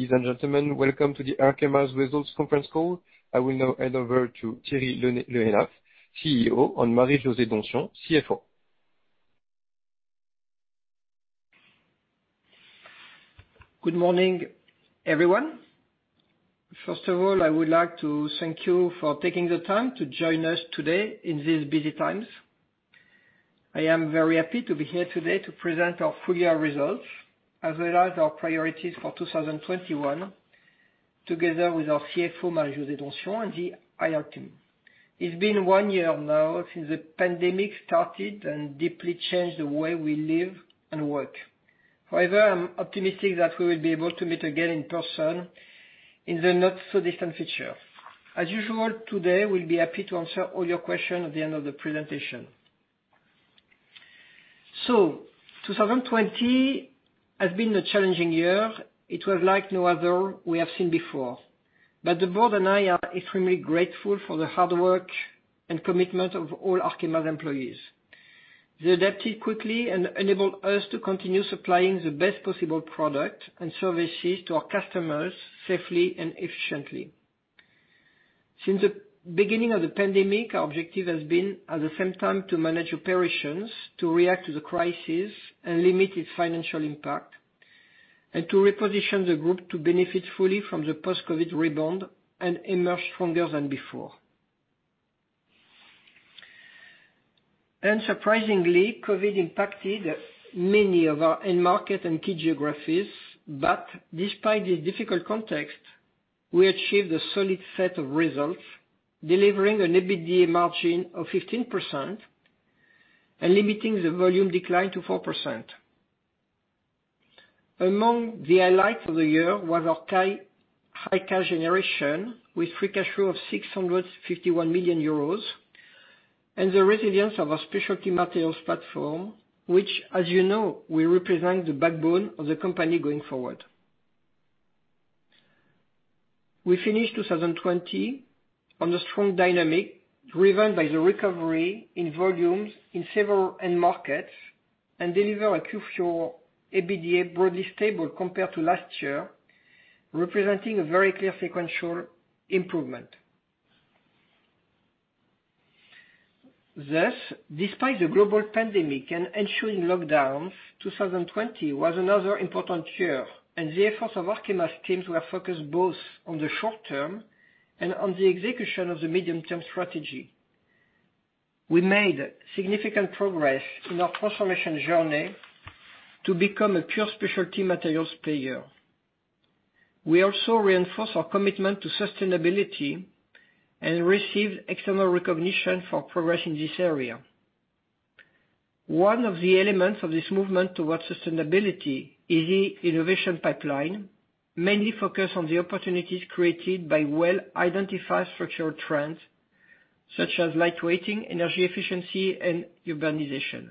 Ladies and gentlemen, welcome to Arkema's results conference call. I will now hand over to Thierry Le Hénaff, CEO, and Marie-José Donsion, CFO. Good morning, everyone. First of all, I would like to thank you for taking the time to join us today in these busy times. I am very happy to be here today to present our full year results, as well as our priorities for 2021, together with our CFO, Marie-José Donsion, and the IR team. It's been one year now since the pandemic started and deeply changed the way we live and work. However, I'm optimistic that we will be able to meet again in person in the not-so-distant future. As usual, today we'll be happy to answer all your questions at the end of the presentation. 2020 has been a challenging year. It was like no other we have seen before. The board and I are extremely grateful for the hard work and commitment of all Arkema's employees. They adapted quickly and enabled us to continue supplying the best possible product and services to our customers safely and efficiently. Since the beginning of the pandemic, our objective has been, at the same time, to manage operations, to react to the crisis, and limit its financial impact, and to reposition the group to benefit fully from the post-COVID rebound and emerge stronger than before. Unsurprisingly, COVID impacted many of our end markets and key geographies. Despite this difficult context, we achieved a solid set of results, delivering an EBITDA margin of 15% and limiting the volume decline to 4%. Among the highlights of the year was our high cash generation, with free cash flow of 651 million euros, and the resilience of our Specialty Materials platform, which, as you know, will represent the backbone of the company going forward. We finished 2020 on a strong dynamic driven by the recovery in volumes in several end markets and deliver a Q4 EBITDA broadly stable compared to last year, representing a very clear sequential improvement. Thus, despite the global pandemic and ensuing lockdowns, 2020 was another important year, and the efforts of Arkema's teams were focused both on the short term and on the execution of the medium-term strategy. We made significant progress in our transformation journey to become a pure specialty materials player. We also reinforced our commitment to sustainability and received external recognition for progress in this area. One of the elements of this movement towards sustainability is the innovation pipeline, mainly focused on the opportunities created by well-identified structural trends such as light weighting, energy efficiency, and urbanization.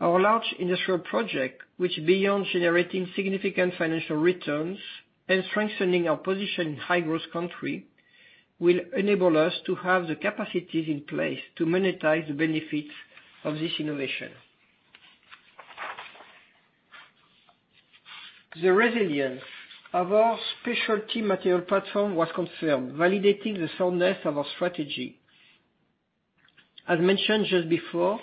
Our large industrial project, which beyond generating significant financial returns and strengthening our position in high-growth countries, will enable us to have the capacities in place to monetize the benefits of this innovation. The resilience of our Specialty Materials platform was confirmed, validating the soundness of our strategy. As mentioned just before,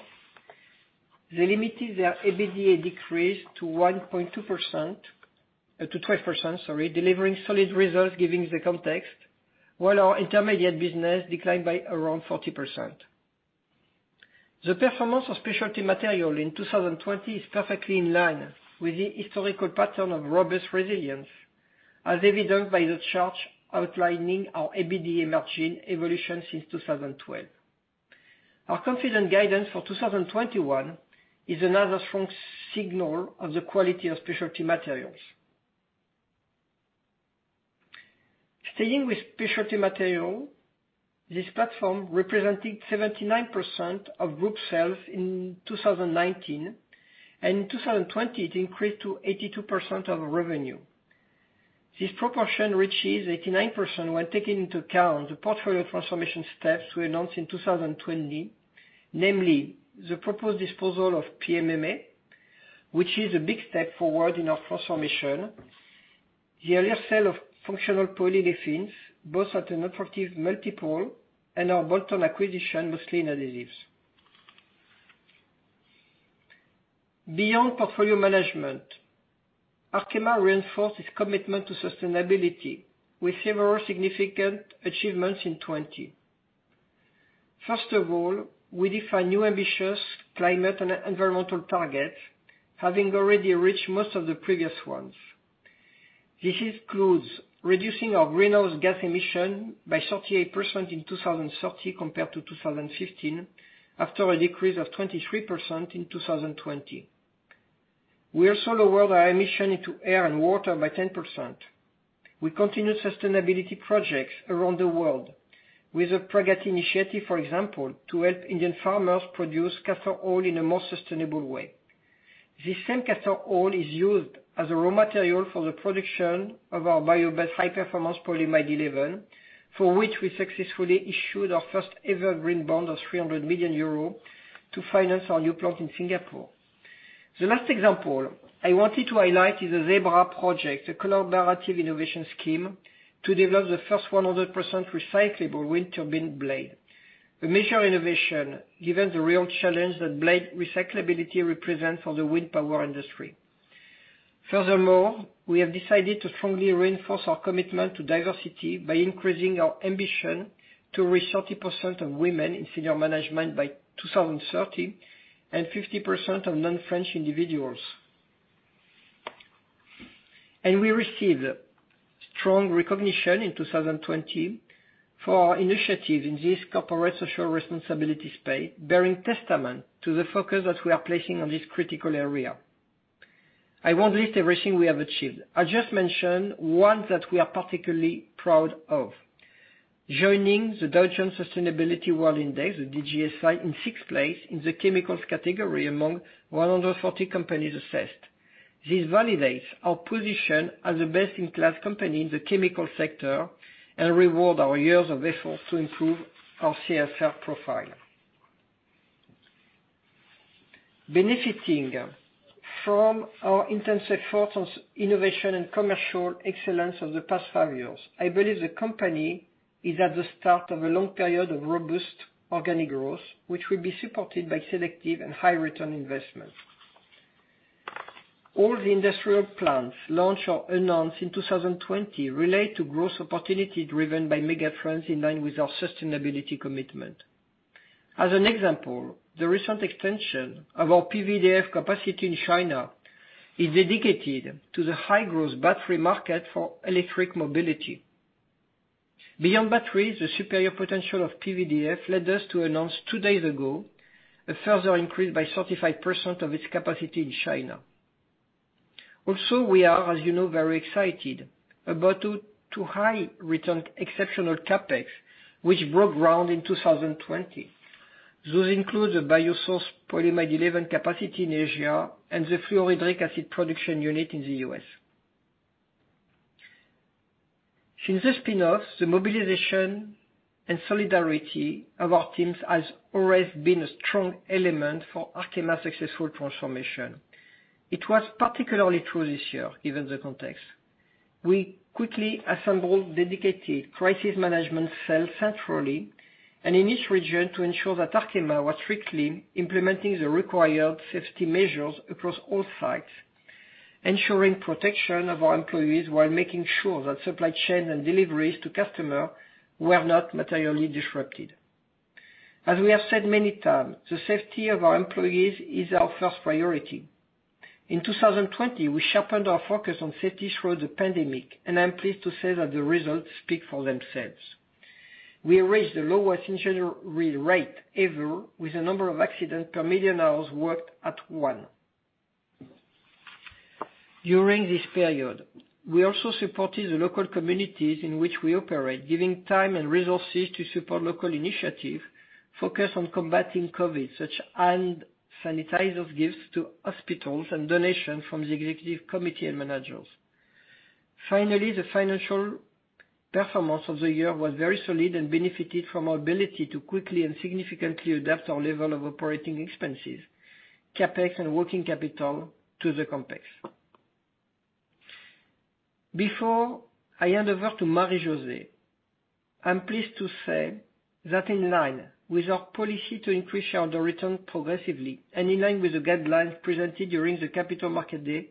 they limited their EBITDA decrease to 12%, delivering solid results given the context, while our intermediate business declined by around 40%. The performance of Specialty Materials in 2020 is perfectly in line with the historical pattern of robust resilience, as evidenced by the chart outlining our EBITDA margin evolution since 2012. Our confident guidance for 2021 is another strong signal of the quality of Specialty Materials. Staying with Specialty Materials, this platform represented 79% of group sales in 2019, and in 2020, it increased to 82% of revenue. This proportion reaches 89% when taking into account the portfolio transformation steps we announced in 2020, namely the proposed disposal of PMMA, which is a big step forward in our transformation, the earlier sale of functional polyolefins, both at an attractive multiple and our bolt-on acquisition, mostly in adhesives. Beyond portfolio management, Arkema reinforced its commitment to sustainability with several significant achievements in 2020. First of all, we defined new ambitious climate and environmental targets, having already reached most of the previous ones. This includes reducing our greenhouse gas emission by 38% in 2030 compared to 2015, after a decrease of 23% in 2020. We also lowered our emission into air and water by 10%. We continued sustainability projects around the world with the Pragati initiative, for example, to help Indian farmers produce castor oil in a more sustainable way. This same castor oil is used as a raw material for the production of our bio-based high-performance polyamide 11, for which we successfully issued our first ever green bond of 300 million euro to finance our new plant in Singapore. The last example I wanted to highlight is the ZEBRA project, the collaborative innovation scheme to develop the first 100% recyclable wind turbine blade. A major innovation, given the real challenge that blade recyclability represents for the wind power industry. Furthermore, we have decided to strongly reinforce our commitment to diversity by increasing our ambition to reach 30% of women in senior management by 2030 and 50% of non-French individuals. We received strong recognition in 2020 for our initiative in this corporate social responsibility space, bearing testament to the focus that we are placing on this critical area. I won't list everything we have achieved. I'll just mention one that we are particularly proud of. Joining the Dow Jones Sustainability World Index, the DJSI, in sixth place in the chemicals category among 140 companies assessed. This validates our position as a best-in-class company in the chemical sector and reward our years of efforts to improve our CSR profile. Benefiting from our intense efforts on innovation and commercial excellence of the past five years, I believe the company is at the start of a long period of robust organic growth, which will be supported by selective and high return investment. All the industrial plants launched or announced in 2020 relate to growth opportunity driven by mega trends in line with our sustainability commitment. As an example, the recent extension of our PVDF capacity in China is dedicated to the high-growth battery market for electric mobility. Beyond batteries, the superior potential of PVDF led us to announce two days ago a further increase by 35% of its capacity in China. We are, as you know, very excited about two high return exceptional CapEx, which broke ground in 2020. Those include the biosourced polyamide 11 capacity in Asia and the hydrofluoric acid production unit in the U.S. Since the spinoff, the mobilization and solidarity of our teams has always been a strong element for Arkema's successful transformation. It was particularly true this year, given the context. We quickly assembled dedicated crisis management cells centrally and in each region to ensure that Arkema was strictly implementing the required safety measures across all sites, ensuring protection of our employees while making sure that supply chain and deliveries to customer were not materially disrupted. As we have said many times, the safety of our employees is our first priority. In 2020, we sharpened our focus on safety through the pandemic, and I'm pleased to say that the results speak for themselves. We reached the lowest injury rate ever with the number of accidents per million hours worked at one. During this period, we also supported the local communities in which we operate, giving time and resources to support local initiative focused on combating COVID, such hand sanitizers gifts to hospitals and donation from the Executive Committee and managers. Finally, the financial performance of the year was very solid and benefited from our ability to quickly and significantly adapt our level of operating expenses, CapEx, and working capital to the context. Before I hand over to Marie-José, I'm pleased to say that in line with our policy to increase shareholder return progressively and in line with the guidelines presented during the Capital Markets Day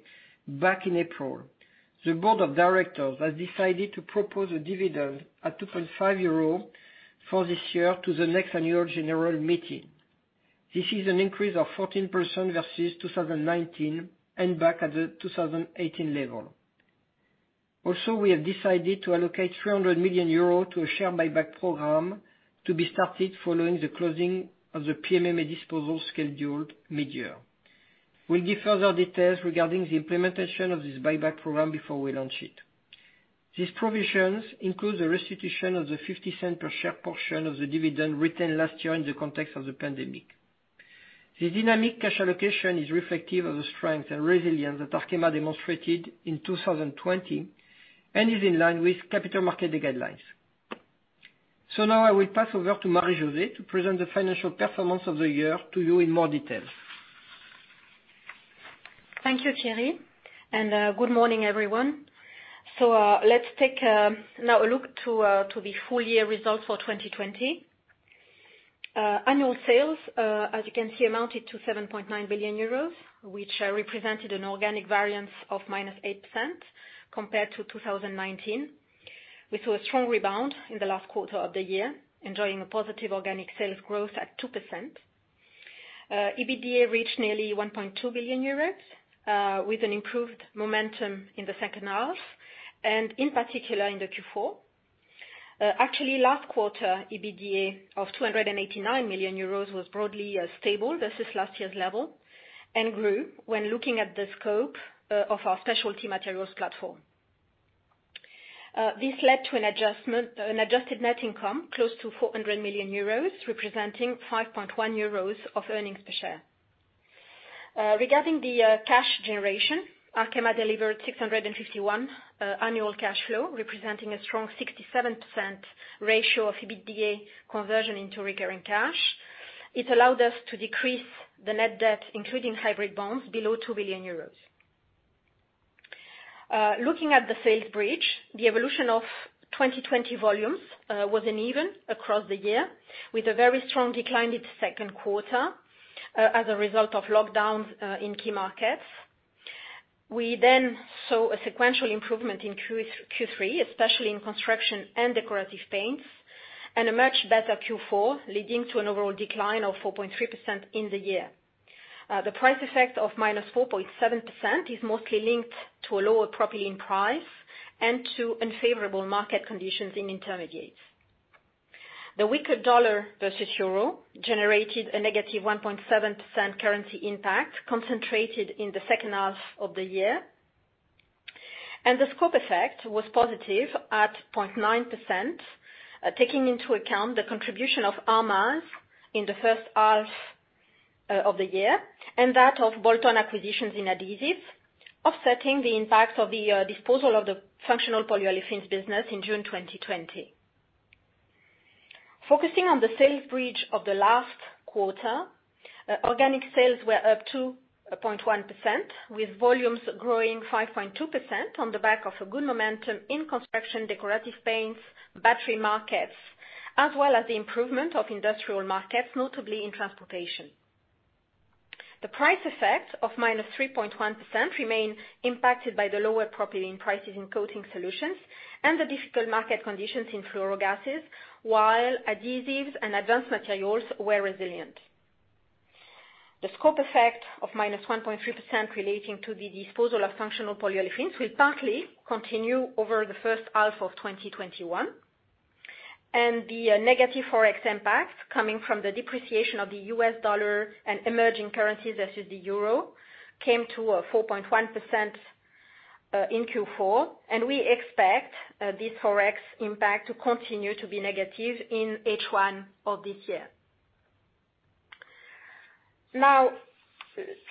back in April, the board of directors has decided to propose a dividend at 2.5 euro for this year to the next annual general meeting. This is an increase of 14% versus 2019 and back at the 2018 level. Also, we have decided to allocate 300 million euros to a share buyback program to be started following the closing of the PMMA disposal scheduled mid-year. We'll give further details regarding the implementation of this buyback program before we launch it. These provisions include the restitution of the 0.50 per share portion of the dividend retained last year in the context of the pandemic. This dynamic cash allocation is reflective of the strength and resilience that Arkema demonstrated in 2020 and is in line with capital market guidelines. Now I will pass over to Marie-José to present the financial performance of the year to you in more detail. Thank you, Thierry, and good morning, everyone. Let's take now a look to the full year results for 2020. Annual sales, as you can see, amounted to 7.9 billion euros, which represented an organic variance of -8% compared to 2019. We saw a strong rebound in the last quarter of the year, enjoying a positive organic sales growth at 2%. EBITDA reached nearly 1.2 billion euros, with an improved momentum in the second half and in particular in the Q4. Actually, last quarter, EBITDA of 289 million euros was broadly stable versus last year's level and grew when looking at the scope of our Specialty Materials platform. This led to an adjusted net income close to 400 million euros, representing 5.1 euros of earnings per share. Regarding the cash generation, Arkema delivered 651 annual cash flow, representing a strong 67% ratio of EBITDA conversion into recurring cash. It allowed us to decrease the net debt, including hybrid bonds below 2 billion euros. Looking at the sales bridge, the evolution of 2020 volumes was uneven across the year, with a very strong decline in the second quarter as a result of lockdowns in key markets. We then saw a sequential improvement in Q3, especially in construction and decorative paints, and a much better Q4, leading to an overall decline of 4.3% in the year. The price effect of -4.7% is mostly linked to a lower propylene price and to unfavorable market conditions in intermediates. The weaker USD versus EUR generated a negative 1.7% currency impact concentrated in the second half of the year. The scope effect was positive at 0.9%, taking into account the contribution of ArrMaz in the first half of the year and that of bolt-on acquisitions in adhesive Solutions, offsetting the impact of the disposal of the functional polyolefins business in June 2020. Focusing on the sales bridge of the last quarter, organic sales were up 2.1%, with volumes growing 5.2% on the back of a good momentum in construction decorative paints, battery markets, as well as the improvement of industrial markets, notably in transportation. The price effect of -3.1% remained impacted by the lower propylene prices in Coating Solutions and the difficult market conditions in fluorogases, while Adhesive Solutions and Advanced Materials were resilient. The scope effect of -1.3% relating to the disposal of functional polyolefins will partly continue over the first half of 2021. The negative forex impact coming from the depreciation of the US dollar and emerging currencies versus the euro came to a 4.1% in Q4. We expect this forex impact to continue to be negative in H1 of this year. Now,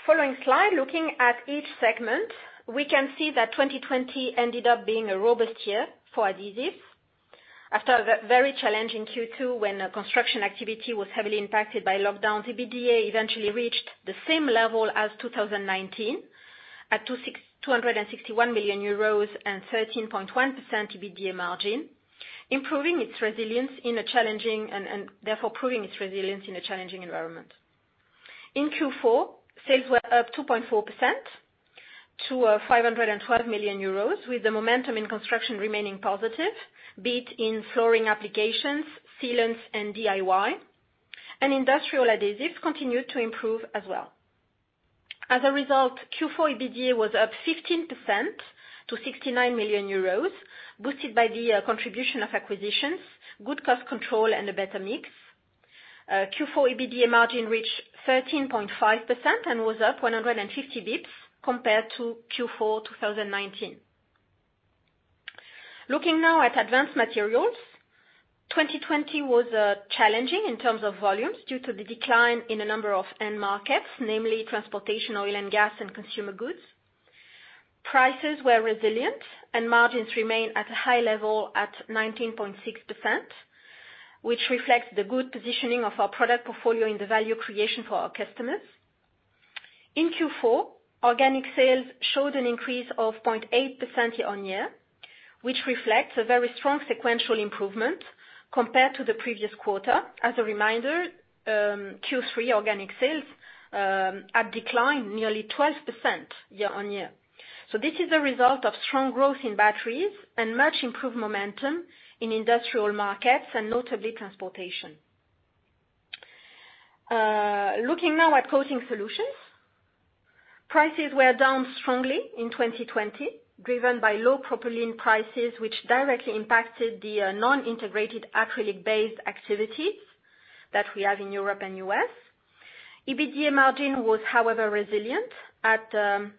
following slide. Looking at each segment, we can see that 2020 ended up being a robust year for adhesives. After a very challenging Q2 when construction activity was heavily impacted by lockdowns, EBITDA eventually reached the same level as 2019 at 261 million euros and 13.1% EBITDA margin, therefore proving its resilience in a challenging environment. In Q4, sales were up 2.4% to 512 million euros with the momentum in construction remaining positive, be it in flooring applications, sealants, and DIY. Industrial adhesives continued to improve as well. As a result, Q4 EBITDA was up 15% to 69 million euros, boosted by the contribution of acquisitions, good cost control, and a better mix. Q4 EBITDA margin reached 13.5% and was up 150 basis points compared to Q4 2019. Looking now at Advanced Materials. 2020 was challenging in terms of volumes due to the decline in a number of end markets, namely transportation, oil and gas, and consumer goods. Prices were resilient and margins remained at a high level at 19.6%, which reflects the good positioning of our product portfolio in the value creation for our customers. In Q4, organic sales showed an increase of 0.8% year-over-year, which reflects a very strong sequential improvement compared to the previous quarter. As a reminder, Q3 organic sales had declined nearly 12% year-over-year. This is a result of strong growth in batteries and much improved momentum in industrial markets and notably transportation. Looking now at Coating Solutions. Prices were down strongly in 2020, driven by low propylene prices, which directly impacted the non-integrated acrylic-based activities that we have in Europe and U.S. EBITDA margin was, however, resilient at 13.7%.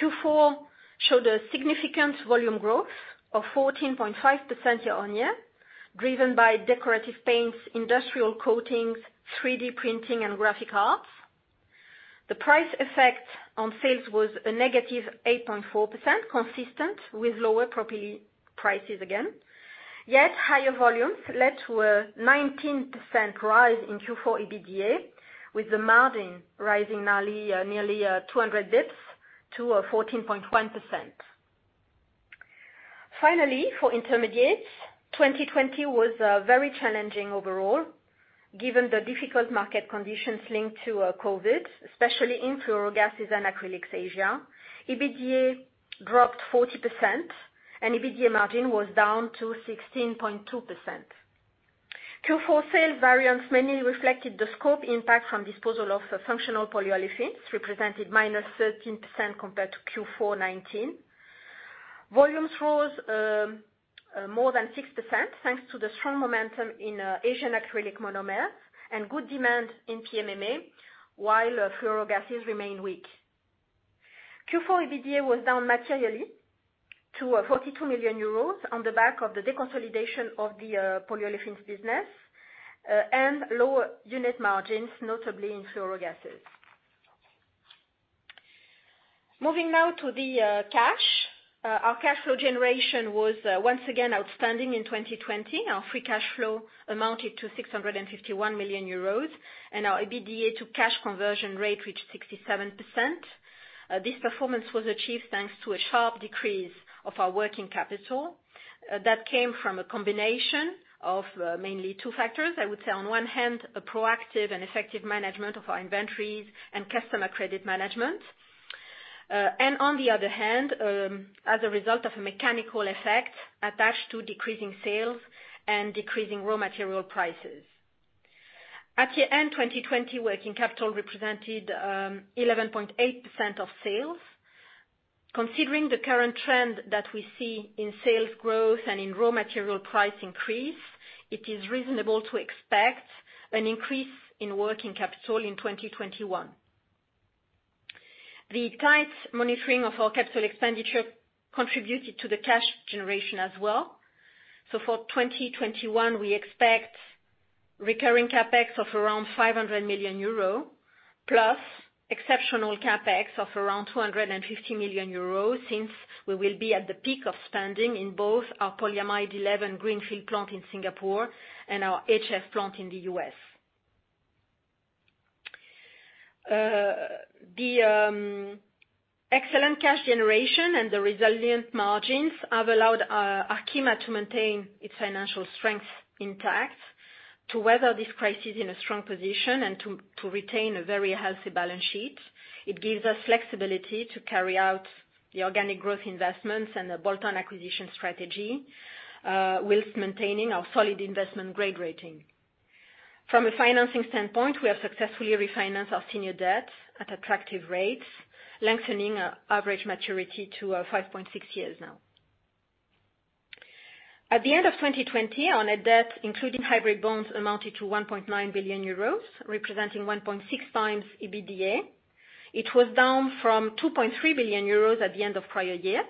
Q4 showed a significant volume growth of 14.5% year-on-year, driven by decorative paints, industrial coatings, 3D printing, and graphic arts. The price effect on sales was a negative 8.4%, consistent with lower propylene prices again. Yet higher volumes led to a 19% rise in Q4 EBITDA, with the margin rising nearly 200 basis points to 14.1%. Finally, for intermediates, 2020 was very challenging overall, given the difficult market conditions linked to COVID, especially in fluorogases and acrylics Asia. EBITDA dropped 40% and EBITDA margin was down to 16.2%. Q4 sales variance mainly reflected the scope impact from disposal of functional polyolefins represented -13% compared to Q4 2019. Volumes rose more than 6% thanks to the strong momentum in Asian acrylic monomers and good demand in PMMA, while fluorogases remained weak. Q4 EBITDA was down materially to 42 million euros on the back of the deconsolidation of the polyolefins business and lower unit margins, notably in fluorogases. Moving now to the cash. Our cash flow generation was once again outstanding in 2020. Our free cash flow amounted to 651 million euros, and our EBITDA to cash conversion rate reached 67%. This performance was achieved thanks to a sharp decrease of our working capital. That came from a combination of mainly two factors. I would say on one hand, a proactive and effective management of our inventories and customer credit management. On the other hand, as a result of a mechanical effect attached to decreasing sales and decreasing raw material prices. At the end 2020, working capital represented 11.8% of sales. Considering the current trend that we see in sales growth and in raw material price increase, it is reasonable to expect an increase in working capital in 2021. The tight monitoring of our capital expenditure contributed to the cash generation as well. For 2021, we expect recurring CapEx of around 500 million euro, plus exceptional CapEx of around 250 million euro, since we will be at the peak of spending in both our polyamide 11 greenfield plant in Singapore and our HF plant in the U.S. The excellent cash generation and the resilient margins have allowed Arkema to maintain its financial strength intact, to weather this crisis in a strong position, and to retain a very healthy balance sheet. It gives us flexibility to carry out the organic growth investments and the bolt-on acquisition strategy, while maintaining our solid investment grade rating. From a financing standpoint, we have successfully refinanced our senior debt at attractive rates, lengthening our average maturity to 5.6 years now. At the end of 2020, our net debt, including hybrid bonds, amounted to 1.9 billion euros, representing 1.6x EBITDA. It was down from 2.3 billion euros at the end of prior year.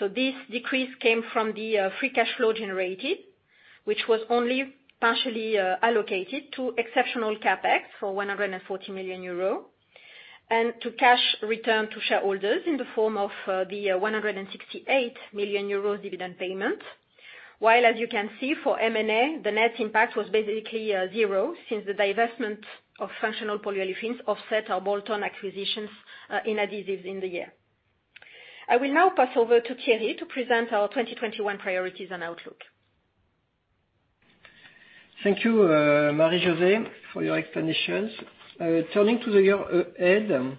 This decrease came from the free cash flow generated, which was only partially allocated to exceptional CapEx for 140 million euro and to cash return to shareholders in the form of the 168 million euros dividend payment. As you can see for M&A, the net impact was basically zero, since the divestment of functional polyolefins offset our bolt-on acquisitions in adhesives in the year. I will now pass over to Thierry to present our 2021 priorities and outlook. Thank you, Marie-José, for your explanations. Turning to the year ahead,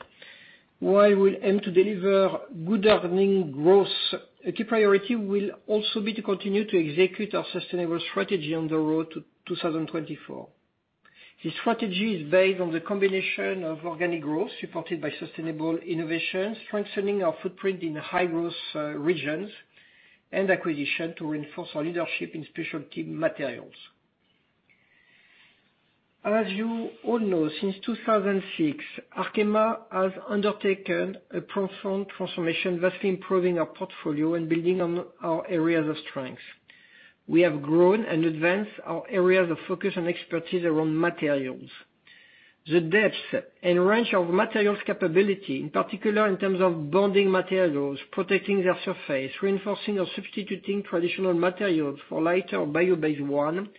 while we aim to deliver good earning growth, a key priority will also be to continue to execute our sustainable strategy on the road to 2024. This strategy is based on the combination of organic growth supported by sustainable innovation, strengthening our footprint in high-growth regions and acquisition to reinforce our leadership in Specialty Materials. As you all know, since 2006, Arkema has undertaken a profound transformation, vastly improving our portfolio and building on our areas of strength. We have grown and advanced our areas of focus and expertise around materials. The depth and range of materials capability, in particular in terms of bonding materials, protecting their surface, reinforcing or substituting traditional materials for lighter or bio-based one,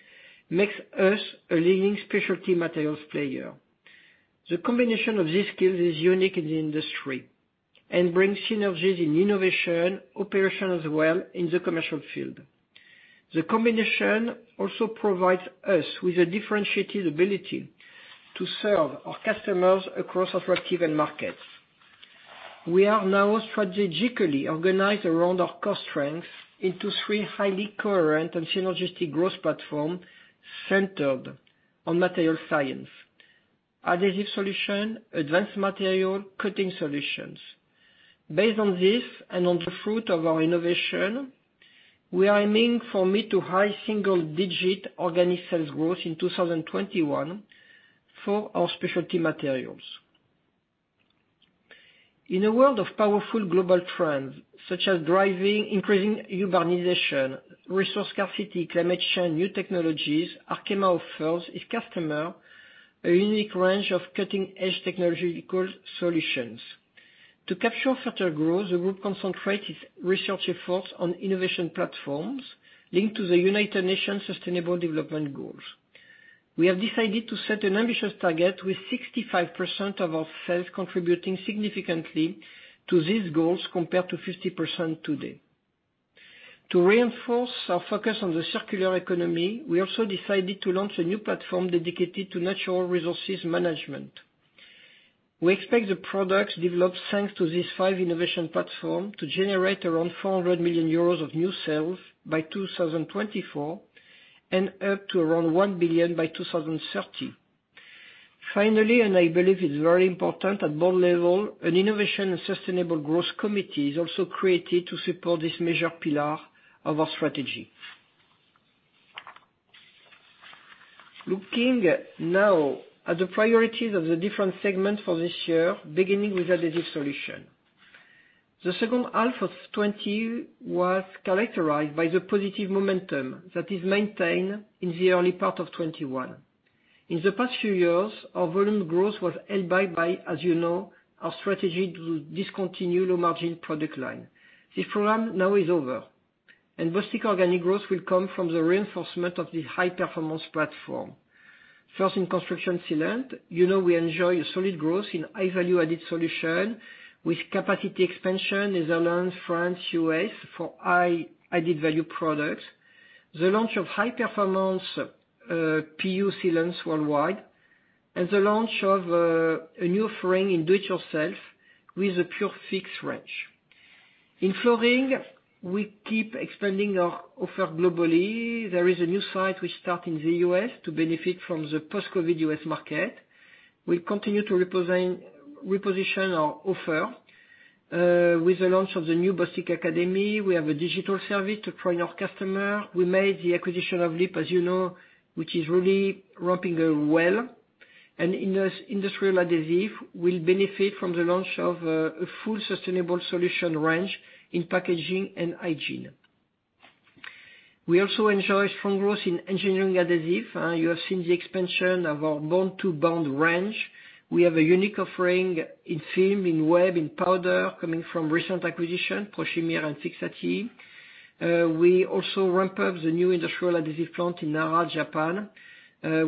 makes us a leading Specialty Materials player. The combination of these skills is unique in the industry and brings synergies in innovation, operation as well in the commercial field. The combination also provides us with a differentiated ability to serve our customers across attractive end markets. We are now strategically organized around our core strengths into three highly coherent and synergistic growth platforms centered on Specialty Materials: Adhesive Solutions, Advanced Materials, Coating Solutions. Based on this and on the fruit of our innovation, we are aiming for mid to high single-digit organic sales growth in 2021 for our Specialty Materials. In a world of powerful global trends, such as driving, increasing urbanization, resource scarcity, climate change, new technologies, Arkema offers its customers a unique range of cutting-edge technological solutions. To capture further growth, the group concentrates its research efforts on innovation platforms linked to the United Nations Sustainable Development Goals. We have decided to set an ambitious target with 65% of our sales contributing significantly to these goals compared to 50% today. To reinforce our focus on the circular economy, we also decided to launch a new platform dedicated to natural resources management. We expect the products developed thanks to these five innovation platform to generate around 400 million euros of new sales by 2024 and up to around 1 billion by 2030. Finally, and I believe it's very important, at board level, an innovation and sustainable growth committee is also created to support this major pillar of our strategy. Looking now at the priorities of the different segments for this year, beginning with Adhesive Solutions. The second half of 2020 was characterized by the positive momentum that is maintained in the early part of 2021. In the past few years, our volume growth was held back by, as you know, our strategy to discontinue low-margin product line. This program now is over, and Bostik organic growth will come from the reinforcement of the high-performance platform. First, in construction sealant, you know we enjoy a solid growth in high value added solution with capacity expansion in the Netherlands, France, U.S. for high added value products, the launch of high performance PU sealants worldwide, and the launch of a new offering in do-it-yourself with a Pure Fix range. In flooring, we keep expanding our offer globally. There is a new site we start in the U.S. to benefit from the post-COVID U.S. market. We continue to reposition our offer with the launch of the new Bostik Academy. We have a digital service to train our customer. We made the acquisition of LIP, as you know, which is really ramping up well. Industrial adhesive will benefit from the launch of a full sustainable solution range in packaging and hygiene. We also enjoy strong growth in engineering adhesive. You have seen the expansion of our Born2Bond range. We have a unique offering in film, in web, in powder, coming from recent acquisition, Prochimir and Fixatti. We also ramp up the new industrial adhesive plant in Nara, Japan,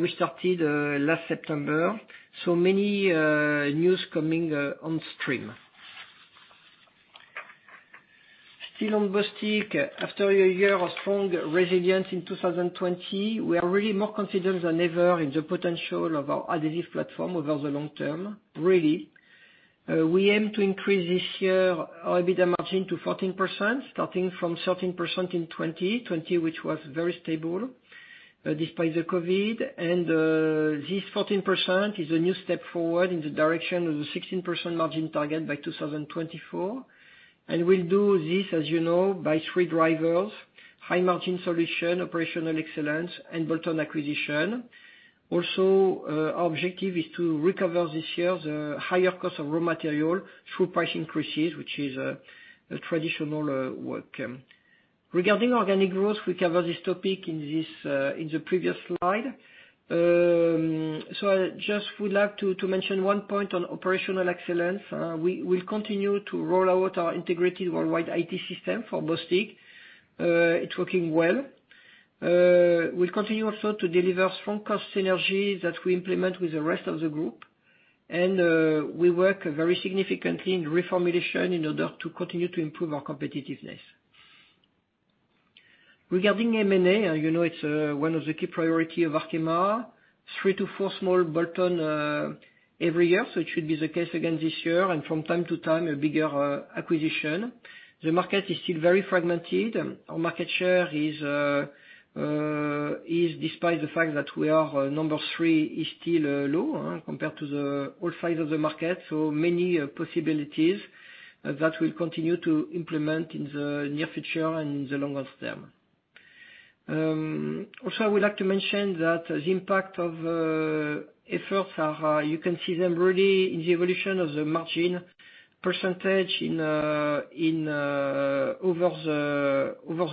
which started last September. Many news coming on stream. Still on Bostik, after a year of strong resilience in 2020, we are really more confident than ever in the potential of our adhesive platform over the long term, really. We aim to increase this year our EBITDA margin to 14%, starting from 13% in 2020, which was very stable despite the COVID. This 14% is a new step forward in the direction of the 16% margin target by 2024. We'll do this, as you know, by three drivers: high margin solution, operational excellence, and bolt-on acquisition. Also, our objective is to recover this year the higher cost of raw material through price increases, which is a traditional work. Regarding organic growth, we cover this topic in the previous slide. I just would like to mention one point on operational excellence. We will continue to roll out our integrated worldwide IT system for Bostik. It's working well. We'll continue also to deliver strong cost synergy that we implement with the rest of the group. We work very significantly in reformulation in order to continue to improve our competitiveness. Regarding M&A, you know it's one of the key priority of Arkema. Three to four small bolt-on every year, it should be the case again this year. From time to time, a bigger acquisition. The market is still very fragmented. Our market share, despite the fact that we are number three, is still low compared to the whole size of the market. Many possibilities that we'll continue to implement in the near future and in the longer term. I would like to mention that the impact of efforts are high. You can see them really in the evolution of the margin percentage over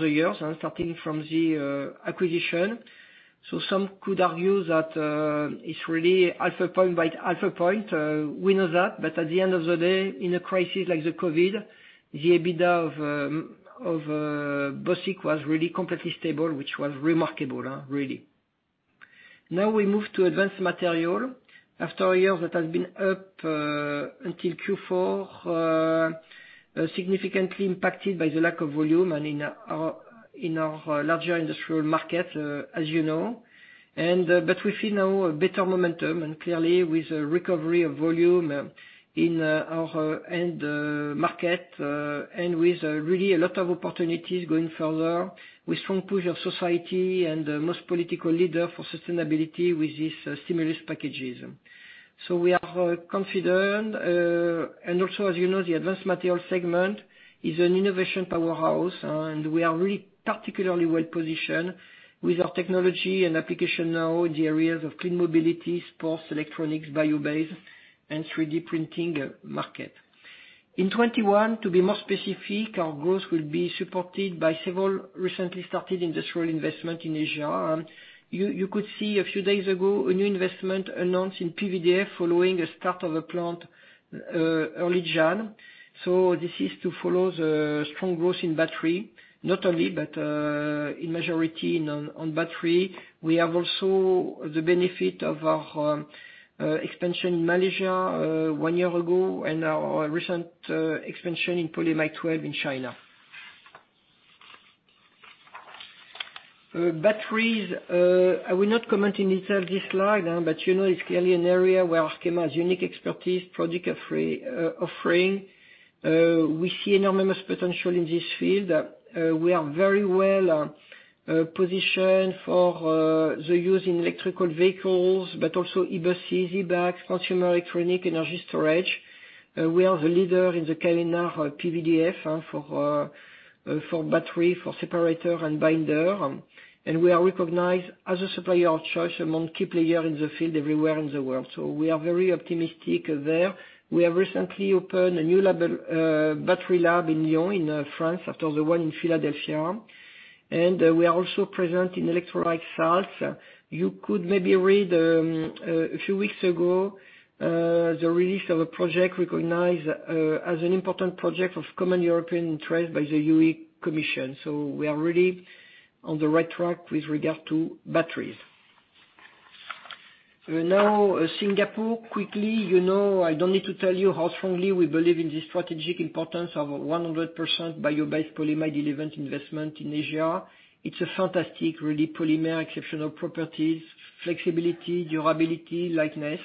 the years and starting from the acquisition. Some could argue that it's really alpha point by alpha point. We know that, at the end of the day, in a crisis like the COVID, the EBITDA of Bostik was really completely stable, which was remarkable, really. We move to Advanced Material. After a year that has been up, until Q4, significantly impacted by the lack of volume and in our larger industrial market, as you know. We see now a better momentum and clearly with a recovery of volume in our end market and with really a lot of opportunities going further with strong push of society and most political leader for sustainability with these stimulus packages. We are confident. Also, as you know, the Advanced Material segment is an innovation powerhouse, and we are really particularly well-positioned with our technology and application now in the areas of clean mobility, sports, electronics, bio-based, and 3D printing market. In 2021, to be more specific, our growth will be supported by several recently started industrial investment in Asia. You could see a few days ago a new investment announced in PVDF following a start of a plant early January. This is to follow the strong growth in battery, not only, but in majority on battery. We have also the benefit of our expansion in Malaysia one year ago and our recent expansion in polyamide web in China. Batteries, I will not comment in detail this slide, but you know it's clearly an area where Arkema has unique expertise, product offering. We see enormous potential in this field. We are very well positioned for the use in electrical vehicles, but also e-bus, e-bike, consumer electronic, energy storage. We are the leader in the Kynar PVDF for battery, for separator and binder. We are recognized as a supplier of choice among key players in the field everywhere in the world. We are very optimistic there. We have recently opened a new battery lab in Lyon, in France, after the one in Philadelphia. We are also present in electrolyte salts. You could maybe read, a few weeks ago, the release of a project recognized as an important project of common European interest by the European Commission. We are really on the right track with regard to batteries. Singapore quickly. I don't need to tell you how strongly we believe in the strategic importance of 100% bio-based polyamide 11 investment in Asia. It's a fantastic really polymer, exceptional properties, flexibility, durability, lightness.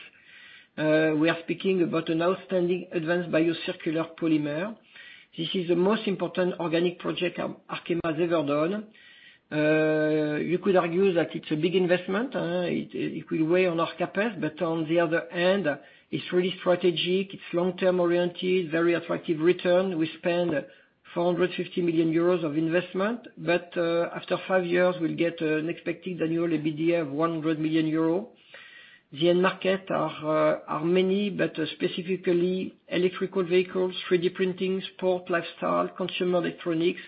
We are speaking about an outstanding advanced biocircular polymer. This is the most important organic project Arkema's ever done. You could argue that it's a big investment. It will weigh on our CapEx. On the other hand, it's really strategic. It's long-term oriented, very attractive return. We spend 450 million euros of investment, but after five years, we'll get an expected annual EBITDA of 100 million euros. The end market are many, but specifically electrical vehicles, 3D printing, sport, lifestyle, consumer electronics,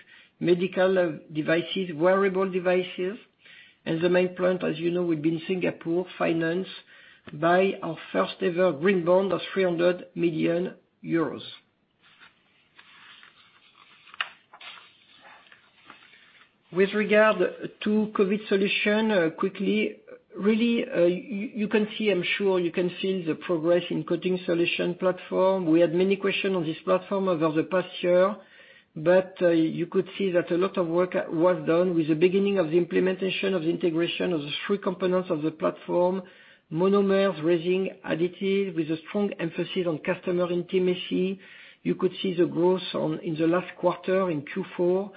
medical devices, wearable devices. The main plant, as you know, will be in Singapore, financed by our first ever green bond of 300 million euros. With regard to Coating Solutions, quickly. Really, you can see, I'm sure you can feel the progress in Coating Solutions platform. We had many questions on this platform over the past year, but you could see that a lot of work was done with the beginning of the implementation of the integration of the three components of the platform. Monomers, resin, additive, with a strong emphasis on customer intimacy. You could see the growth in the last quarter, in Q4,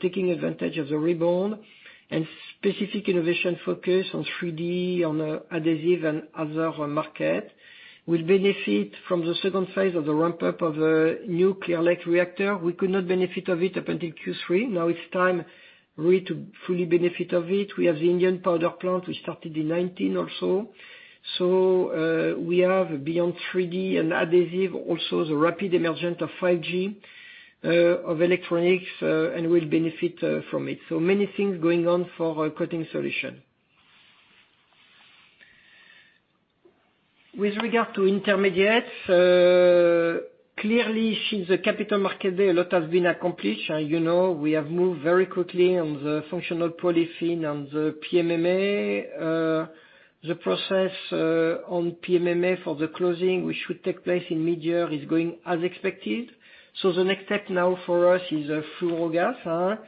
taking advantage of the rebound and specific innovation focus on 3D, on adhesive and other market. We will benefit from the second phase of the ramp-up of the new Clear Lake reactor. We could not benefit of it up until Q3. Now it's time really to fully benefit of it. We have the Indian powder plant we started in 2019 or so. We have beyond 3D and adhesive, also the rapid emergence of 5G, of electronics, and will benefit from it. Many things going on for our Coating Solutions. With regard to intermediates. Clearly, since the Capital Markets Day, a lot has been accomplished. You know we have moved very quickly on the functional polyolefins and the PMMA. The process on PMMA for the closing, which should take place in mid-year, is going as expected. The next step now for us is fluorogas.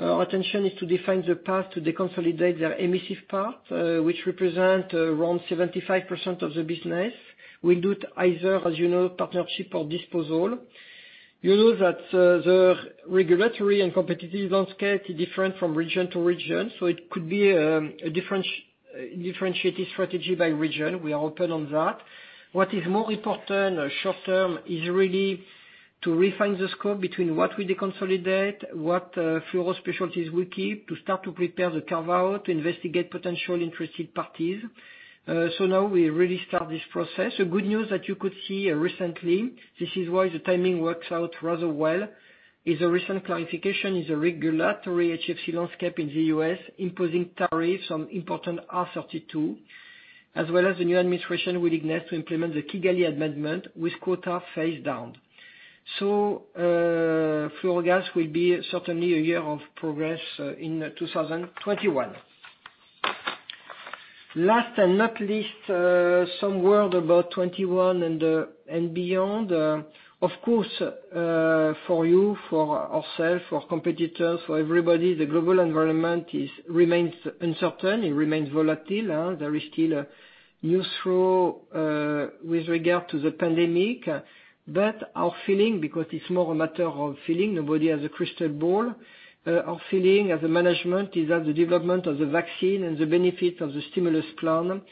Our attention is to define the path to deconsolidate their emissive part, which represent around 75% of the business. We'll do it either, as you know, partnership or disposal. The regulatory and competitive landscape is different from region to region, so it could be a differentiated strategy by region. We are open on that. What is more important short-term is really to refine the scope between what we deconsolidate, what fluoro specialties we keep to start to prepare the carve-out, investigate potential interested parties. Now we really start this process. A good news that you could see recently, this is why the timing works out rather well, is a recent clarification in the regulatory HFC landscape in the U.S., imposing tariffs on important R-32, as well as the new administration willingness to implement the Kigali Amendment with quota phase-down. Fluorogas will be certainly a year of progress in 2021. Last and not least, some word about 2021 and beyond. Of course, for you, for ourselves, for competitors, for everybody, the global environment remains uncertain. It remains volatile. There is still newsflow with regard to the pandemic. Our feeling, because it's more a matter of feeling, nobody has a crystal ball. Our feeling as a management is that the development of the vaccine and the benefit of the stimulus plan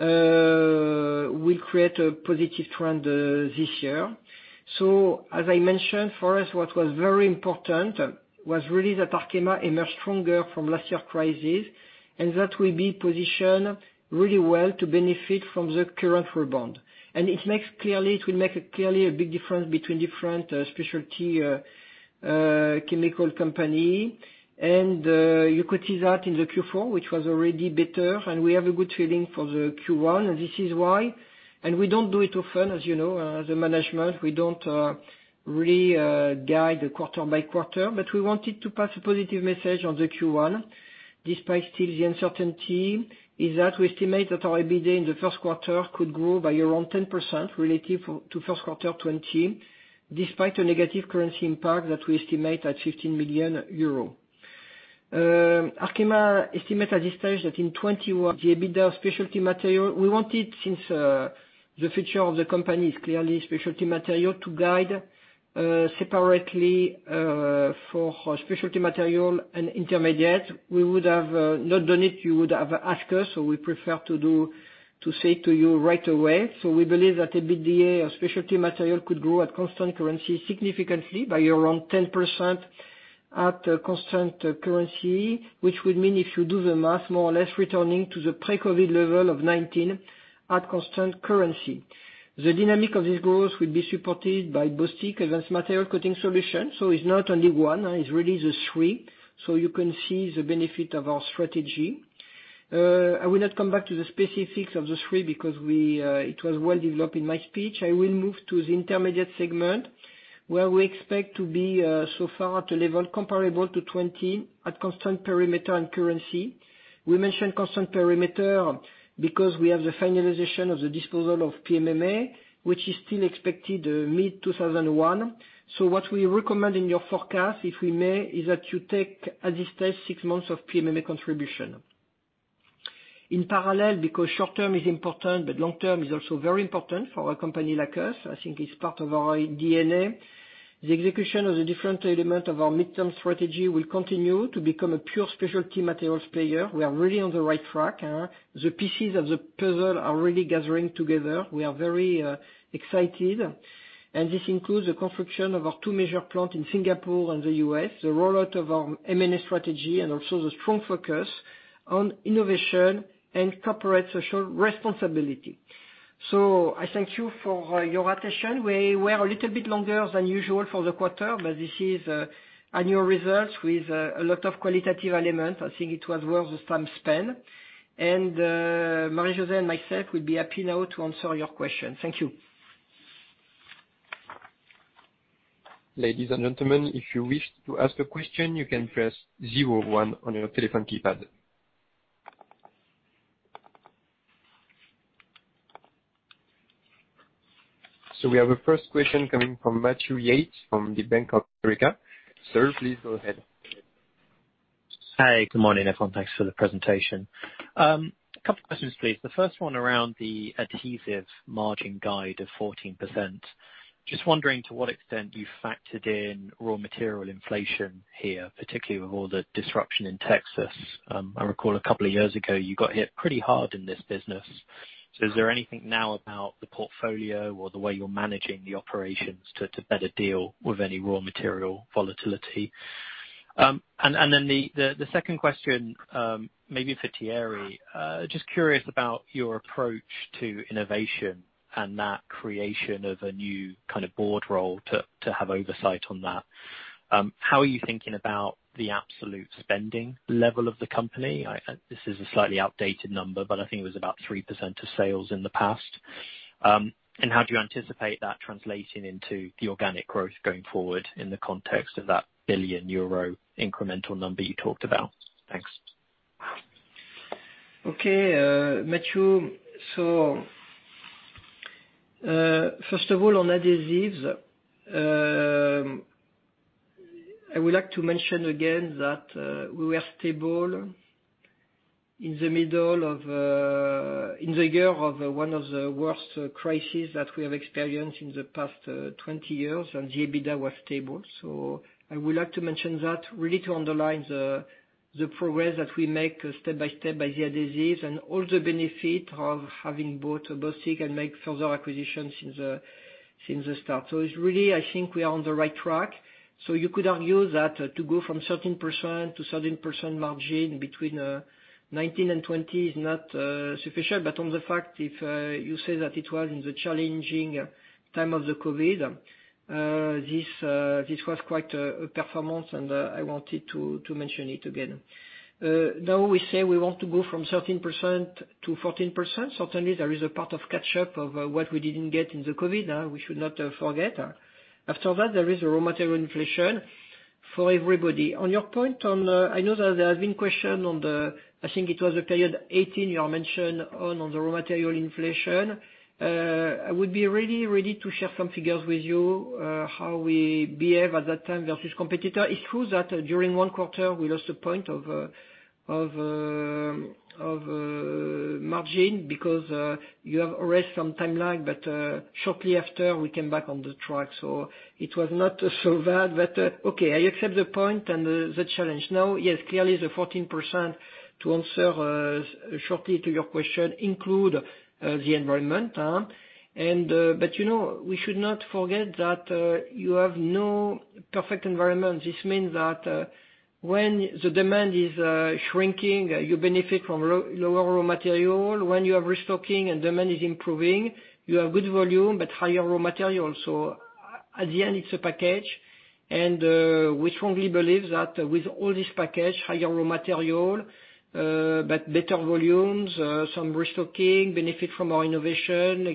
will create a positive trend this year. As I mentioned, for us what was very important was really that Arkema emerged stronger from last year crisis, and that we'll be positioned really well to benefit from the current rebound. It will make clearly a big difference between different specialty chemical company. You could see that in the Q4, which was already better, and we have a good feeling for the Q1, and this is why. We don't do it often, as you know, as a management, we don't really guide quarter-by-quarter, but we wanted to pass a positive message on the Q1, despite still the uncertainty, is that we estimate that our EBITDA in the first quarter could grow by around 10% relative to first quarter 2020, despite a negative currency impact that we estimate at 15 million euro. Arkema estimate at this stage that in 2021, the EBITDA Specialty Materials, we wanted, since the future of the company is clearly Specialty Materials, to guide separately, for our Specialty Materials and intermediate. We would have not done it, you would have asked us, so we prefer to say to you right away. We believe that EBITDA of Specialty Materials could grow at constant currency significantly by around 10% at constant currency, which would mean if you do the math, more or less returning to the pre-COVID level of 2019 at constant currency. The dynamic of these growth will be supported by Bostik, Advanced Materials, Coating Solutions. It's not only one. It's really the three. You can see the benefit of our strategy. I will not come back to the specifics of the three because it was well developed in my speech. I will move to the intermediate segment, where we expect to be so far at a level comparable to 2020 at constant perimeter and currency. We mention constant perimeter because we have the finalization of the disposal of PMMA, which is still expected mid-2021. What we recommend in your forecast, if we may, is that you take, at this stage, six months of PMMA contribution. In parallel, because short-term is important, but long-term is also very important for a company like us, I think it's part of our DNA. The execution of the different elements of our midterm strategy will continue to become a pure Specialty Materials player. We are really on the right track. The pieces of the puzzle are really gathering together. We are very excited, and this includes the construction of our two major plant in Singapore and the U.S., the rollout of our M&A strategy, and also the strong focus on innovation and corporate social responsibility. I thank you for your attention. We were a little bit longer than usual for the quarter, but this is annual results with a lot of qualitative elements. I think it was worth the time spent. Marie-José and myself will be happy now to answer your questions. Thank you. Ladies and gentlemen, if you wish to ask a question, you can press zero one on your telephone keypad. We have a first question coming from Matthew Yates from the Bank of America. Sir, please go ahead. Hi. Good morning, everyone. Thanks for the presentation. A couple questions, please. The first one around the adhesives margin guide of 14%. Just wondering to what extent you factored in raw material inflation here, particularly with all the disruption in Texas. I recall a couple of years ago, you got hit pretty hard in this business. Is there anything now about the portfolio or the way you're managing the operations to better deal with any raw material volatility? The second question, maybe for Thierry. Just curious about your approach to innovation and that creation of a new kind of board role to have oversight on that. How are you thinking about the absolute spending level of the company? This is a slightly outdated number, but I think it was about 3% of sales in the past. How do you anticipate that translating into the organic growth going forward in the context of that billion-euro incremental number you talked about? Thanks. Okay, Matthew. First of all, on adhesives, I would like to mention again that we were stable in the year of one of the worst crises that we have experienced in the past 20 years, and the EBITDA was stable. I would like to mention that, really to underline the progress that we make step by step by the adhesives and all the benefit of having bought Bostik and make further acquisitions since the start. It's really, I think, we are on the right track. You could argue that to go from 13% to 13% margin between 2019 and 2020 is not sufficient. On the fact, if you say that it was in the challenging time of the COVID, this was quite a performance, and I wanted to mention it again. Now we say we want to go from 13% to 14%. Certainly, there is a part of catch up of what we didn't get in the COVID. We should not forget. After that, there is a raw material inflation for everybody. On your point on, I know that there has been question on the, I think it was the period 2018 you are mentioned on the raw material inflation. I would be really ready to share some figures with you, how we behave at that time versus competitor. It's true that during one quarter, we lost a point of margin because you have raised some timeline, but shortly after, we came back on the track. It was not so bad. Okay, I accept the point and the challenge. Now, yes, clearly the 14%, to answer shortly to your question, include the environment. We should not forget that you have no perfect environment. This means that when the demand is shrinking, you benefit from lower raw material. When you are restocking and demand is improving, you have good volume, but higher raw material. At the end, it's a package. We strongly believe that with all this package, higher raw material, but better volumes, some restocking, benefit from our innovation,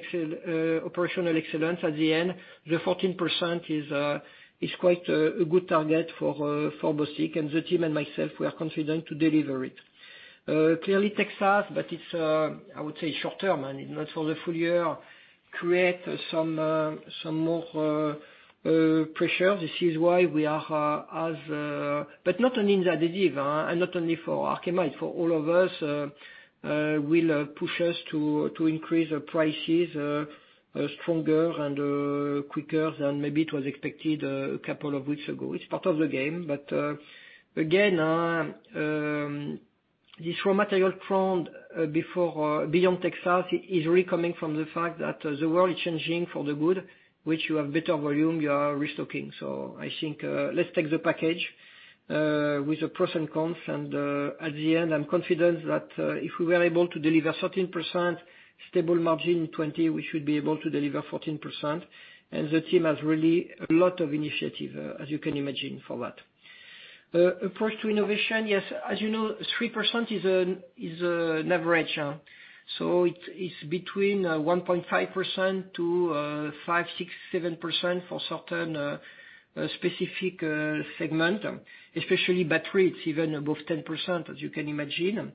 operational excellence at the end, the 14% is quite a good target for Bostik. The team and myself, we are confident to deliver it. Clearly, Texas, but short-term and not for the full year, create some more pressure. This is why not only in the adhesive and not only for Arkema, for all of us, will push us to increase prices stronger and quicker than maybe it was expected a couple of weeks ago. It's part of the game, but again this raw material problem before beyond Texas is really coming from the fact that the world is changing for the good, which you have better volume, you are restocking. I think, let's take the package with the pros and cons, and at the end, I'm confident that if we were able to deliver 13% stable margin 2020, we should be able to deliver 14%. The team has really a lot of initiative, as you can imagine, for that. Approach to innovation. Yes, as you know, 3% is an average. It's between 1.5% to 5%, 6%, 7% for certain specific segment, especially battery, it's even above 10%, as you can imagine.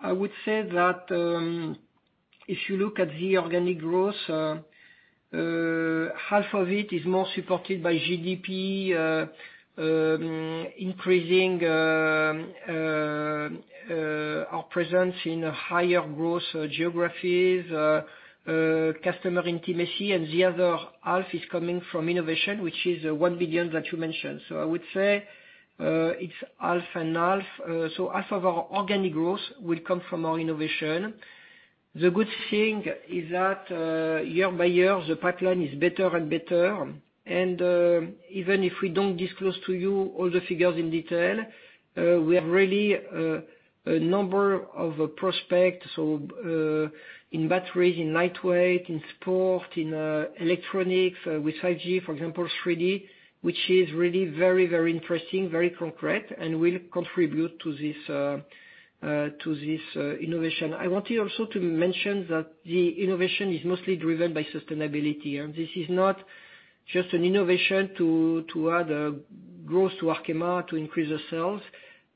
I would say that if you look at the organic growth, half of it is more supported by GDP, increasing our presence in higher growth geographies, customer intimacy, and the other half is coming from innovation, which is 1 billion that you mentioned. I would say it's half and half. Half of our organic growth will come from our innovation. The good thing is that year-by-year, the pipeline is better and better. Even if we don't disclose to you all the figures in detail, we have really a number of prospects in batteries, in lightweight, in sport, in electronics with 5G, for example, 3D, which is really very interesting, very concrete, and will contribute to this innovation. I want also to mention that the innovation is mostly driven by sustainability. This is not just an innovation to add growth to Arkema to increase the sales.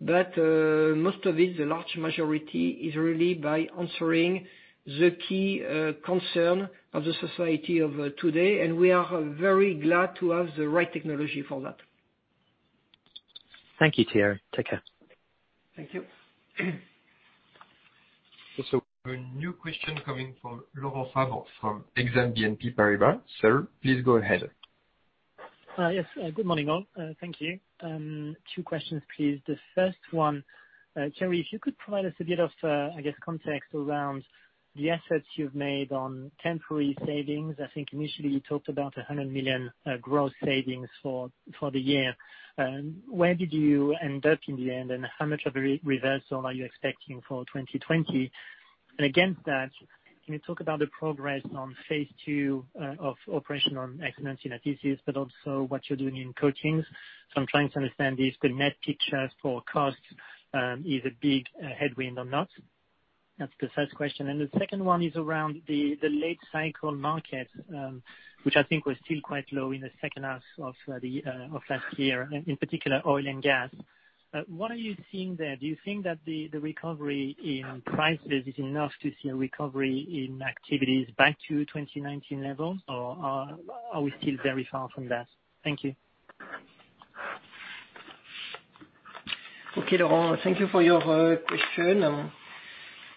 Most of it, the large majority, is really by answering the key concern of the society of today, and we are very glad to have the right technology for that. Thank you, Thierry. Take care. Thank you. A new question coming from Laurent Favre from Exane BNP Paribas. Sir, please go ahead. Yes. Good morning, all. Thank you. Two questions, please. The first one, Thierry, if you could provide us a bit of, I guess, context around the efforts you've made on temporary savings. I think initially you talked about 100 million gross savings for the year. Where did you end up in the end? How much of a reversal are you expecting for 2020? Against that, can you talk about the progress on phase two of operational excellence initiatives? Also what you're doing in coatings? I'm trying to understand if the net picture for costs is a big headwind or not. That's the first question. The second one is around the late cycle market, which I think was still quite low in the second half of last year, in particular oil and gas. What are you seeing there? Do you think that the recovery in prices is enough to see a recovery in activities back to 2019 levels, or are we still very far from that? Thank you. Okay, Laurent. Thank you for your question.